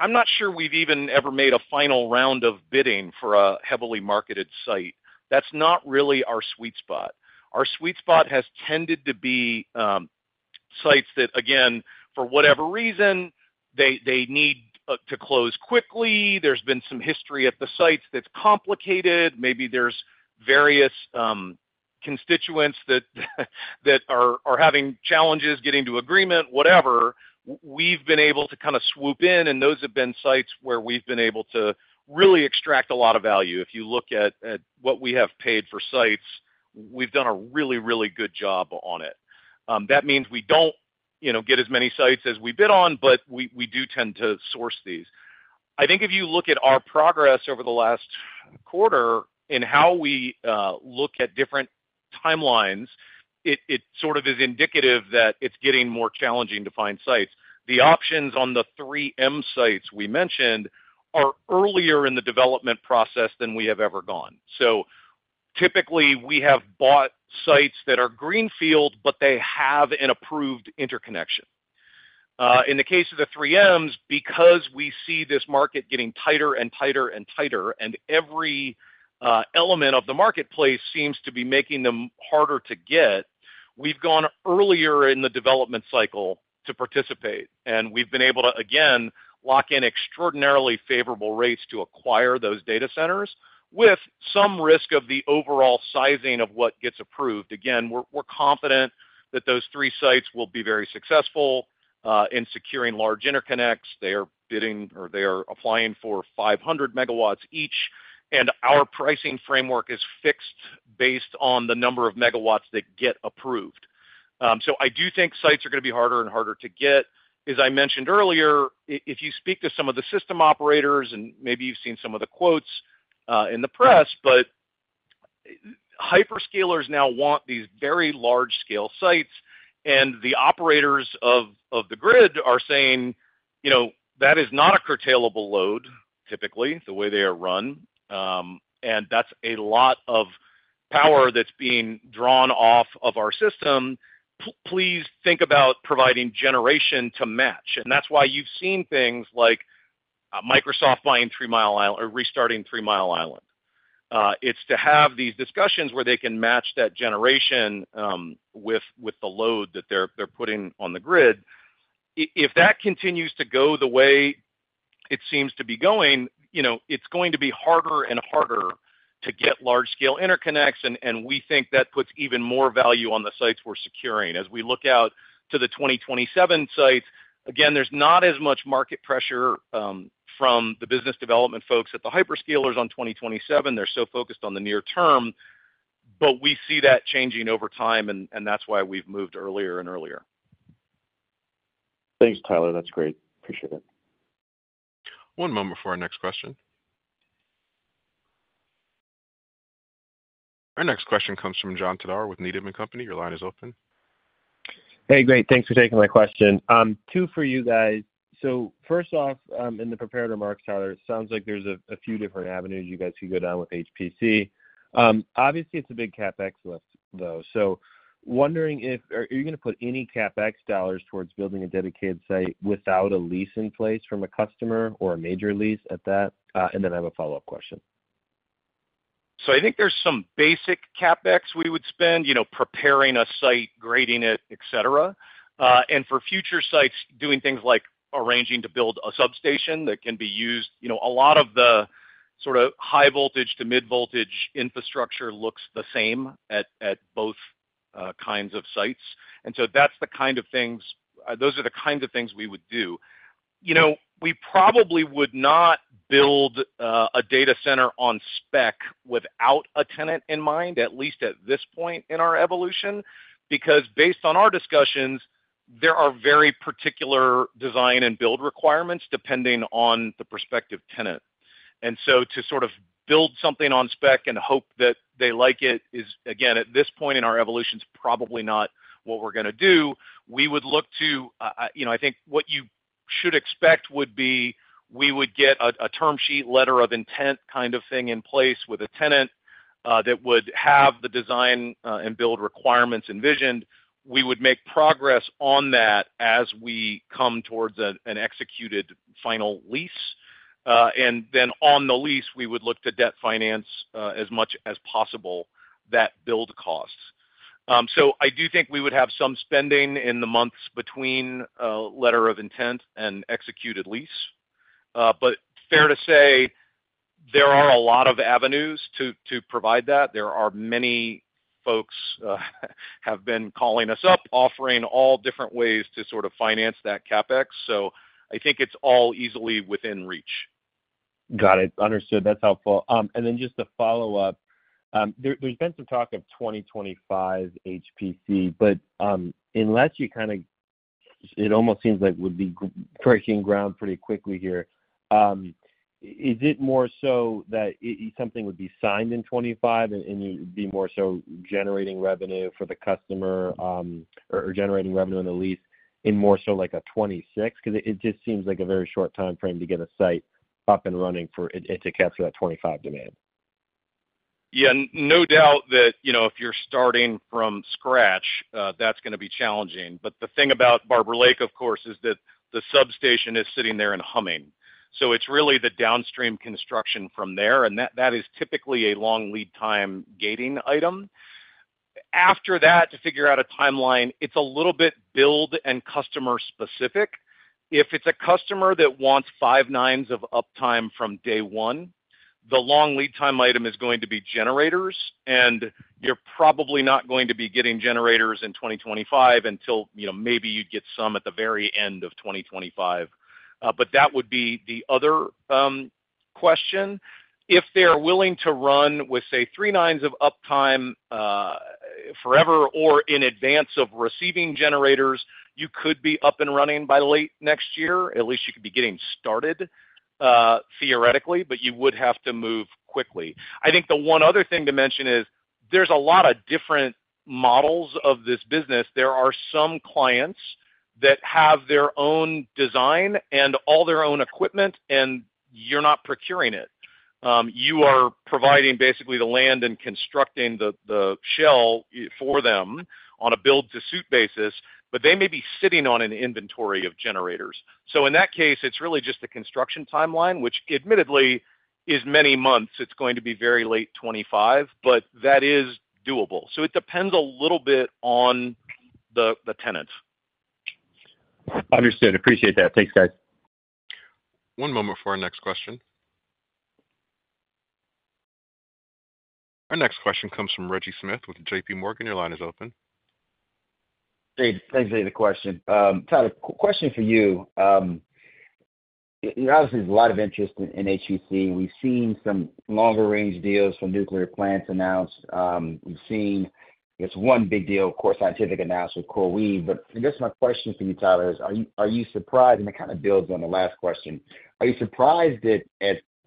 Speaker 3: I'm not sure we've even ever made a final round of bidding for a heavily marketed site. That's not really our sweet spot. Our sweet spot has tended to be sites that, again, for whatever reason, they need to close quickly. There's been some history at the sites that's complicated. Maybe there's various constituents that are having challenges getting to agreement, whatever. We've been able to kind of swoop in, and those have been sites where we've been able to really extract a lot of value. If you look at what we have paid for sites, we've done a really, really good job on it. That means we don't get as many sites as we bid on, but we do tend to source these. I think if you look at our progress over the last quarter in how we look at different timelines, it sort of is indicative that it's getting more challenging to find sites. The options on the 3M sites we mentioned are earlier in the development process than we have ever gone. So typically, we have bought sites that are greenfield, but they have an approved interconnection. In the case of the 3Ms, because we see this market getting tighter and tighter and tighter, and every element of the marketplace seems to be making them harder to get, we've gone earlier in the development cycle to participate, and we've been able to, again, lock in extraordinarily favorable rates to acquire those data centers with some risk of the overall sizing of what gets approved. Again, we're confident that those three sites will be very successful in securing large interconnects. They are bidding or they are applying for 500 megawatts each, and our pricing framework is fixed based on the number of megawatts that get approved, so I do think sites are going to be harder and harder to get. As I mentioned earlier, if you speak to some of the system operators, and maybe you've seen some of the quotes in the press, but hyperscalers now want these very large-scale sites, and the operators of the grid are saying, "That is not a curtailable load, typically, the way they are run," and that's a lot of power that's being drawn off of our system. Please think about providing generation to match, and that's why you've seen things like Microsoft buying Three Mile Island or restarting Three Mile Island. It's to have these discussions where they can match that generation with the load that they're putting on the grid. If that continues to go the way it seems to be going, it's going to be harder and harder to get large-scale interconnects, and we think that puts even more value on the sites we're securing. As we look out to the 2027 sites, again, there's not as much market pressure from the business development folks at the hyperscalers on 2027. They're so focused on the near term, but we see that changing over time, and that's why we've moved earlier and earlier.
Speaker 8: Thanks, Tyler. That's great. Appreciate it.
Speaker 1: One moment before our next question. Our next question comes from John Todaro with Needham & Company. Your line is open.
Speaker 9: Hey, great. Thanks for taking my question. Two for you guys. So first off, in the prepared remarks, Tyler, it sounds like there's a few different avenues you guys could go down with HPC. Obviously, it's a big CapEx lift, though. So wondering if you are going to put any CapEx dollars towards building a dedicated site without a lease in place from a customer or a major lease at that? And then I have a follow-up question.
Speaker 3: I think there's some basic CapEx we would spend preparing a site, grading it, etc. For future sites, doing things like arranging to build a substation that can be used. A lot of the sort of high-voltage to mid-voltage infrastructure looks the same at both kinds of sites. That's the kind of things we would do. We probably would not build a data center on spec without a tenant in mind, at least at this point in our evolution, because based on our discussions, there are very particular design and build requirements depending on the prospective tenant. To sort of build something on spec and hope that they like it is, again, at this point in our evolution, it's probably not what we're going to do. We would look to, I think, what you should expect would be we would get a term sheet, letter of intent kind of thing in place with a tenant that would have the design and build requirements envisioned. We would make progress on that as we come towards an executed final lease and then on the lease, we would look to debt finance as much as possible that build costs, so I do think we would have some spending in the months between letter of intent and executed lease but fair to say, there are a lot of avenues to provide that. There are many folks who have been calling us up, offering all different ways to sort of finance that CapEx, so I think it's all easily within reach.
Speaker 9: Got it. Understood. That's helpful. And then just to follow up, there's been some talk of 2025 HPC, but unless you kind of it almost seems like it would be breaking ground pretty quickly here. Is it more so that something would be signed in 2025 and it would be more so generating revenue for the customer or generating revenue on the lease in more so like a 2026? Because it just seems like a very short time frame to get a site up and running for it to capture that 2025 demand.
Speaker 3: Yeah. No doubt that if you're starting from scratch, that's going to be challenging. But the thing about Barber Lake, of course, is that the substation is sitting there and humming. So it's really the downstream construction from there, and that is typically a long lead time gating item. After that, to figure out a timeline, it's a little bit build and customer specific. If it's a customer that wants five nines of uptime from day one, the long lead time item is going to be generators, and you're probably not going to be getting generators in 2025 until maybe you'd get some at the very end of 2025. But that would be the other question. If they are willing to run with, say, three nines of uptime forever or in advance of receiving generators, you could be up and running by late next year. At least you could be getting started theoretically, but you would have to move quickly. I think the one other thing to mention is there's a lot of different models of this business. There are some clients that have their own design and all their own equipment, and you're not procuring it. You are providing basically the land and constructing the shell for them on a build-to-suit basis, but they may be sitting on an inventory of generators. So in that case, it's really just a construction timeline, which admittedly is many months. It's going to be very late 2025, but that is doable. So it depends a little bit on the tenant.
Speaker 9: Understood. Appreciate that. Thanks, guys.
Speaker 1: One moment before our next question. Our next question comes from Reggie Smith with J.P. Morgan. Your line is open.
Speaker 10: Hey, thanks for the question. Tyler, question for you. Obviously, there's a lot of interest in HPC. We've seen some longer-range deals for nuclear plants announced. We've seen, I guess, one big deal, of course, Core Scientific announced with CoreWeave. But I guess my question for you, Tyler, is are you surprised? And it kind of builds on the last question. Are you surprised at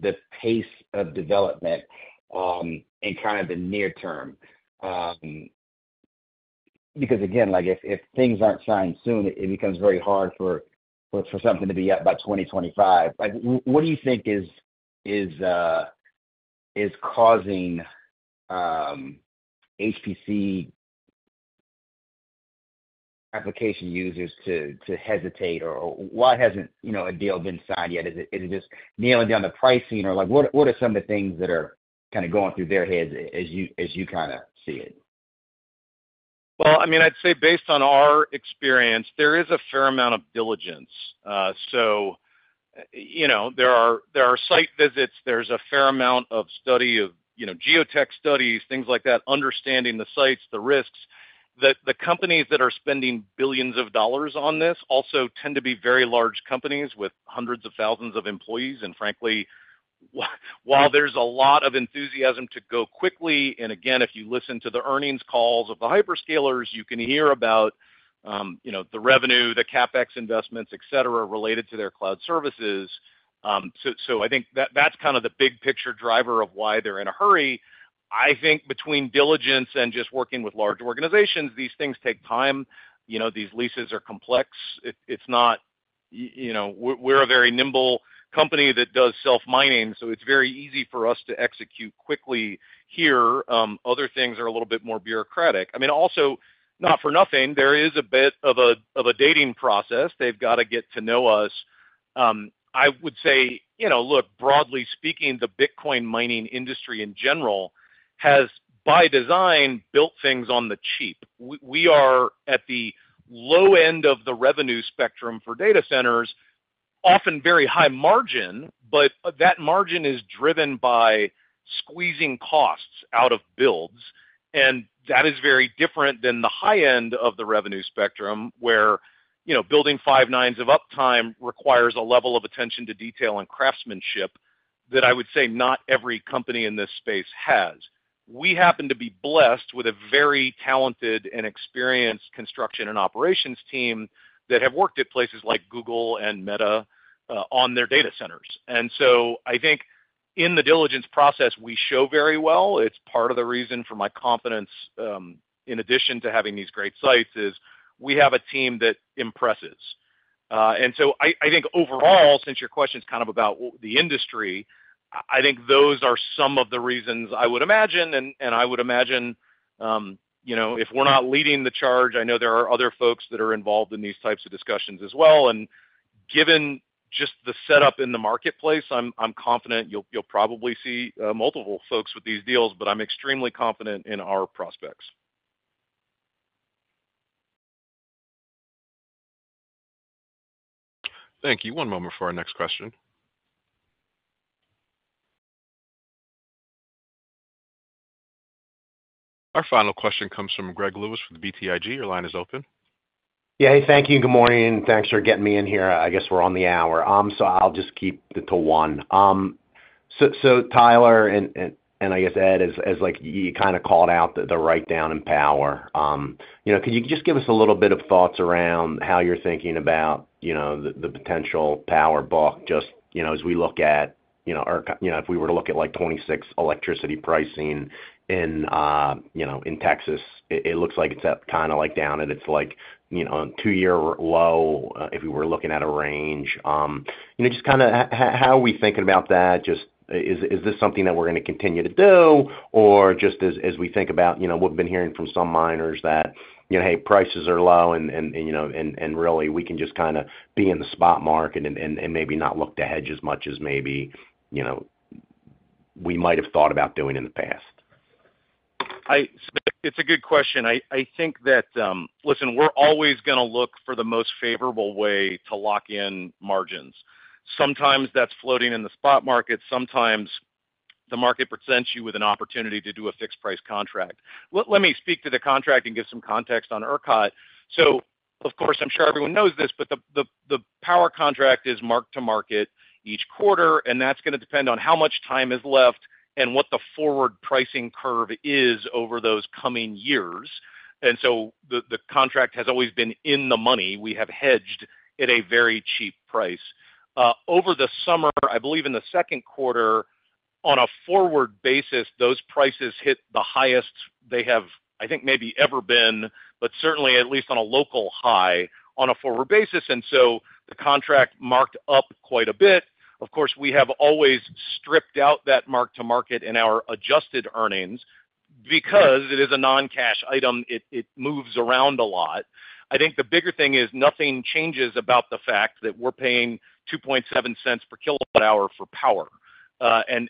Speaker 10: the pace of development in kind of the near term? Because again, if things aren't signed soon, it becomes very hard for something to be up by 2025. What do you think is causing HPC application users to hesitate? Or why hasn't a deal been signed yet? Is it just nailing down the pricing? Or what are some of the things that are kind of going through their heads as you kind of see it?
Speaker 3: I mean, I'd say based on our experience, there is a fair amount of diligence. There are site visits. There's a fair amount of study of geotech studies, things like that, understanding the sites, the risks. The companies that are spending billions of dollars on this also tend to be very large companies with hundreds of thousands of employees. Frankly, while there's a lot of enthusiasm to go quickly, and again, if you listen to the earnings calls of the hyperscalers, you can hear about the revenue, the CapEx investments, etc., related to their cloud services. I think that's kind of the big picture driver of why they're in a hurry. I think between diligence and just working with large organizations, these things take time. These leases are complex. It's not that we're a very nimble company that does self-mining, so it's very easy for us to execute quickly here. Other things are a little bit more bureaucratic. I mean, also, not for nothing, there is a bit of a dating process. They've got to get to know us. I would say, look, broadly speaking, the Bitcoin mining industry in general has, by design, built things on the cheap. We are at the low end of the revenue spectrum for data centers, often very high margin, but that margin is driven by squeezing costs out of builds. And that is very different than the high end of the revenue spectrum where building five nines of uptime requires a level of attention to detail and craftsmanship that I would say not every company in this space has. We happen to be blessed with a very talented and experienced construction and operations team that have worked at places like Google and Meta on their data centers. And so I think in the diligence process, we show very well. It's part of the reason for my confidence, in addition to having these great sites, is we have a team that impresses. And so I think overall, since your question is kind of about the industry, I think those are some of the reasons I would imagine, and I would imagine if we're not leading the charge, I know there are other folks that are involved in these types of discussions as well. And given just the setup in the marketplace, I'm confident you'll probably see multiple folks with these deals, but I'm extremely confident in our prospects.
Speaker 1: Thank you. One moment before our next question. Our final question comes from Greg Lewis with BTIG. Your line is open.
Speaker 11: Yeah. Hey, thank you. Good morning. Thanks for getting me in here. I guess we're on the hour. So I'll just keep it to one. So Tyler, and I guess Ed, as you kind of called out the write-down in power, could you just give us a little bit of thoughts around how you're thinking about the potential power bulk just as we look at or if we were to look at like 2026 electricity pricing in Texas? It looks like it's kind of like down, and it's like a two-year low if we were looking at a range. Just kind of how are we thinking about that? Just, is this something that we're going to continue to do, or just as we think about what we've been hearing from some miners that, "Hey, prices are low, and really we can just kind of be in the spot market and maybe not look to hedge as much as maybe we might have thought about doing in the past"?
Speaker 3: It's a good question. I think that, listen, we're always going to look for the most favorable way to lock in margins. Sometimes that's floating in the spot market. Sometimes the market presents you with an opportunity to do a fixed-price contract. Let me speak to the contract and give some context on ERCOT. So of course, I'm sure everyone knows this, but the power contract is marked to market each quarter, and that's going to depend on how much time is left and what the forward pricing curve is over those coming years. And so the contract has always been in the money. We have hedged at a very cheap price. Over the summer, I believe in the second quarter, on a forward basis, those prices hit the highest they have, I think, maybe ever been, but certainly at least on a local high on a forward basis. And so the contract marked up quite a bit. Of course, we have always stripped out that mark-to-market in our adjusted earnings because it is a non-cash item. It moves around a lot. I think the bigger thing is nothing changes about the fact that we're paying $0.027 per kilowatt-hour for power.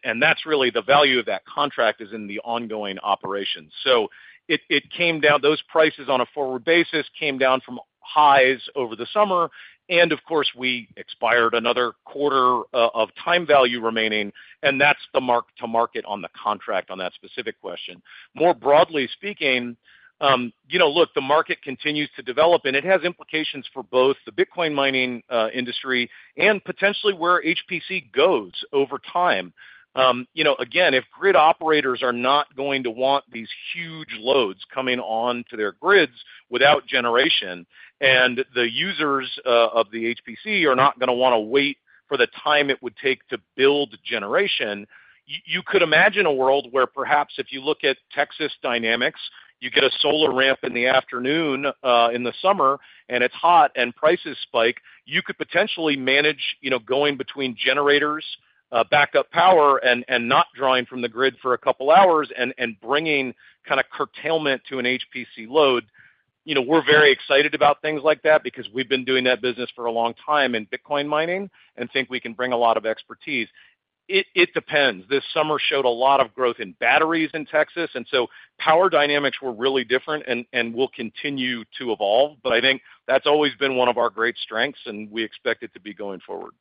Speaker 3: And that's really the value of that contract is in the ongoing operation. So it came down. Those prices on a forward basis came down from highs over the summer. And of course, we expired another quarter of time value remaining, and that's the mark-to-market on the contract on that specific question. More broadly speaking, look, the market continues to develop, and it has implications for both the Bitcoin mining industry and potentially where HPC goes over time. Again, if grid operators are not going to want these huge loads coming onto their grids without generation, and the users of the HPC are not going to want to wait for the time it would take to build generation, you could imagine a world where perhaps if you look at Texas dynamics, you get a solar ramp in the afternoon in the summer, and it's hot and prices spike, you could potentially manage going between generators, backup power, and not drawing from the grid for a couple of hours and bringing kind of curtailment to an HPC load. We're very excited about things like that because we've been doing that business for a long time in Bitcoin mining and think we can bring a lot of expertise. It depends. This summer showed a lot of growth in batteries in Texas. And so power dynamics were really different and will continue to evolve. But I think that's always been one of our great strengths, and we expect it to be going forward.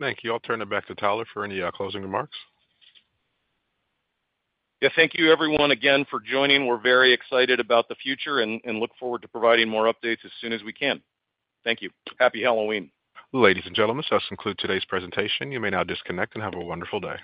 Speaker 1: Thank you. I'll turn it back to Tyler for any closing remarks.
Speaker 3: Yeah. Thank you, everyone, again for joining. We're very excited about the future and look forward to providing more updates as soon as we can. Thank you. Happy Halloween.
Speaker 1: Ladies and gentlemen, so that's concluded today's presentation. You may now disconnect and have a wonderful day.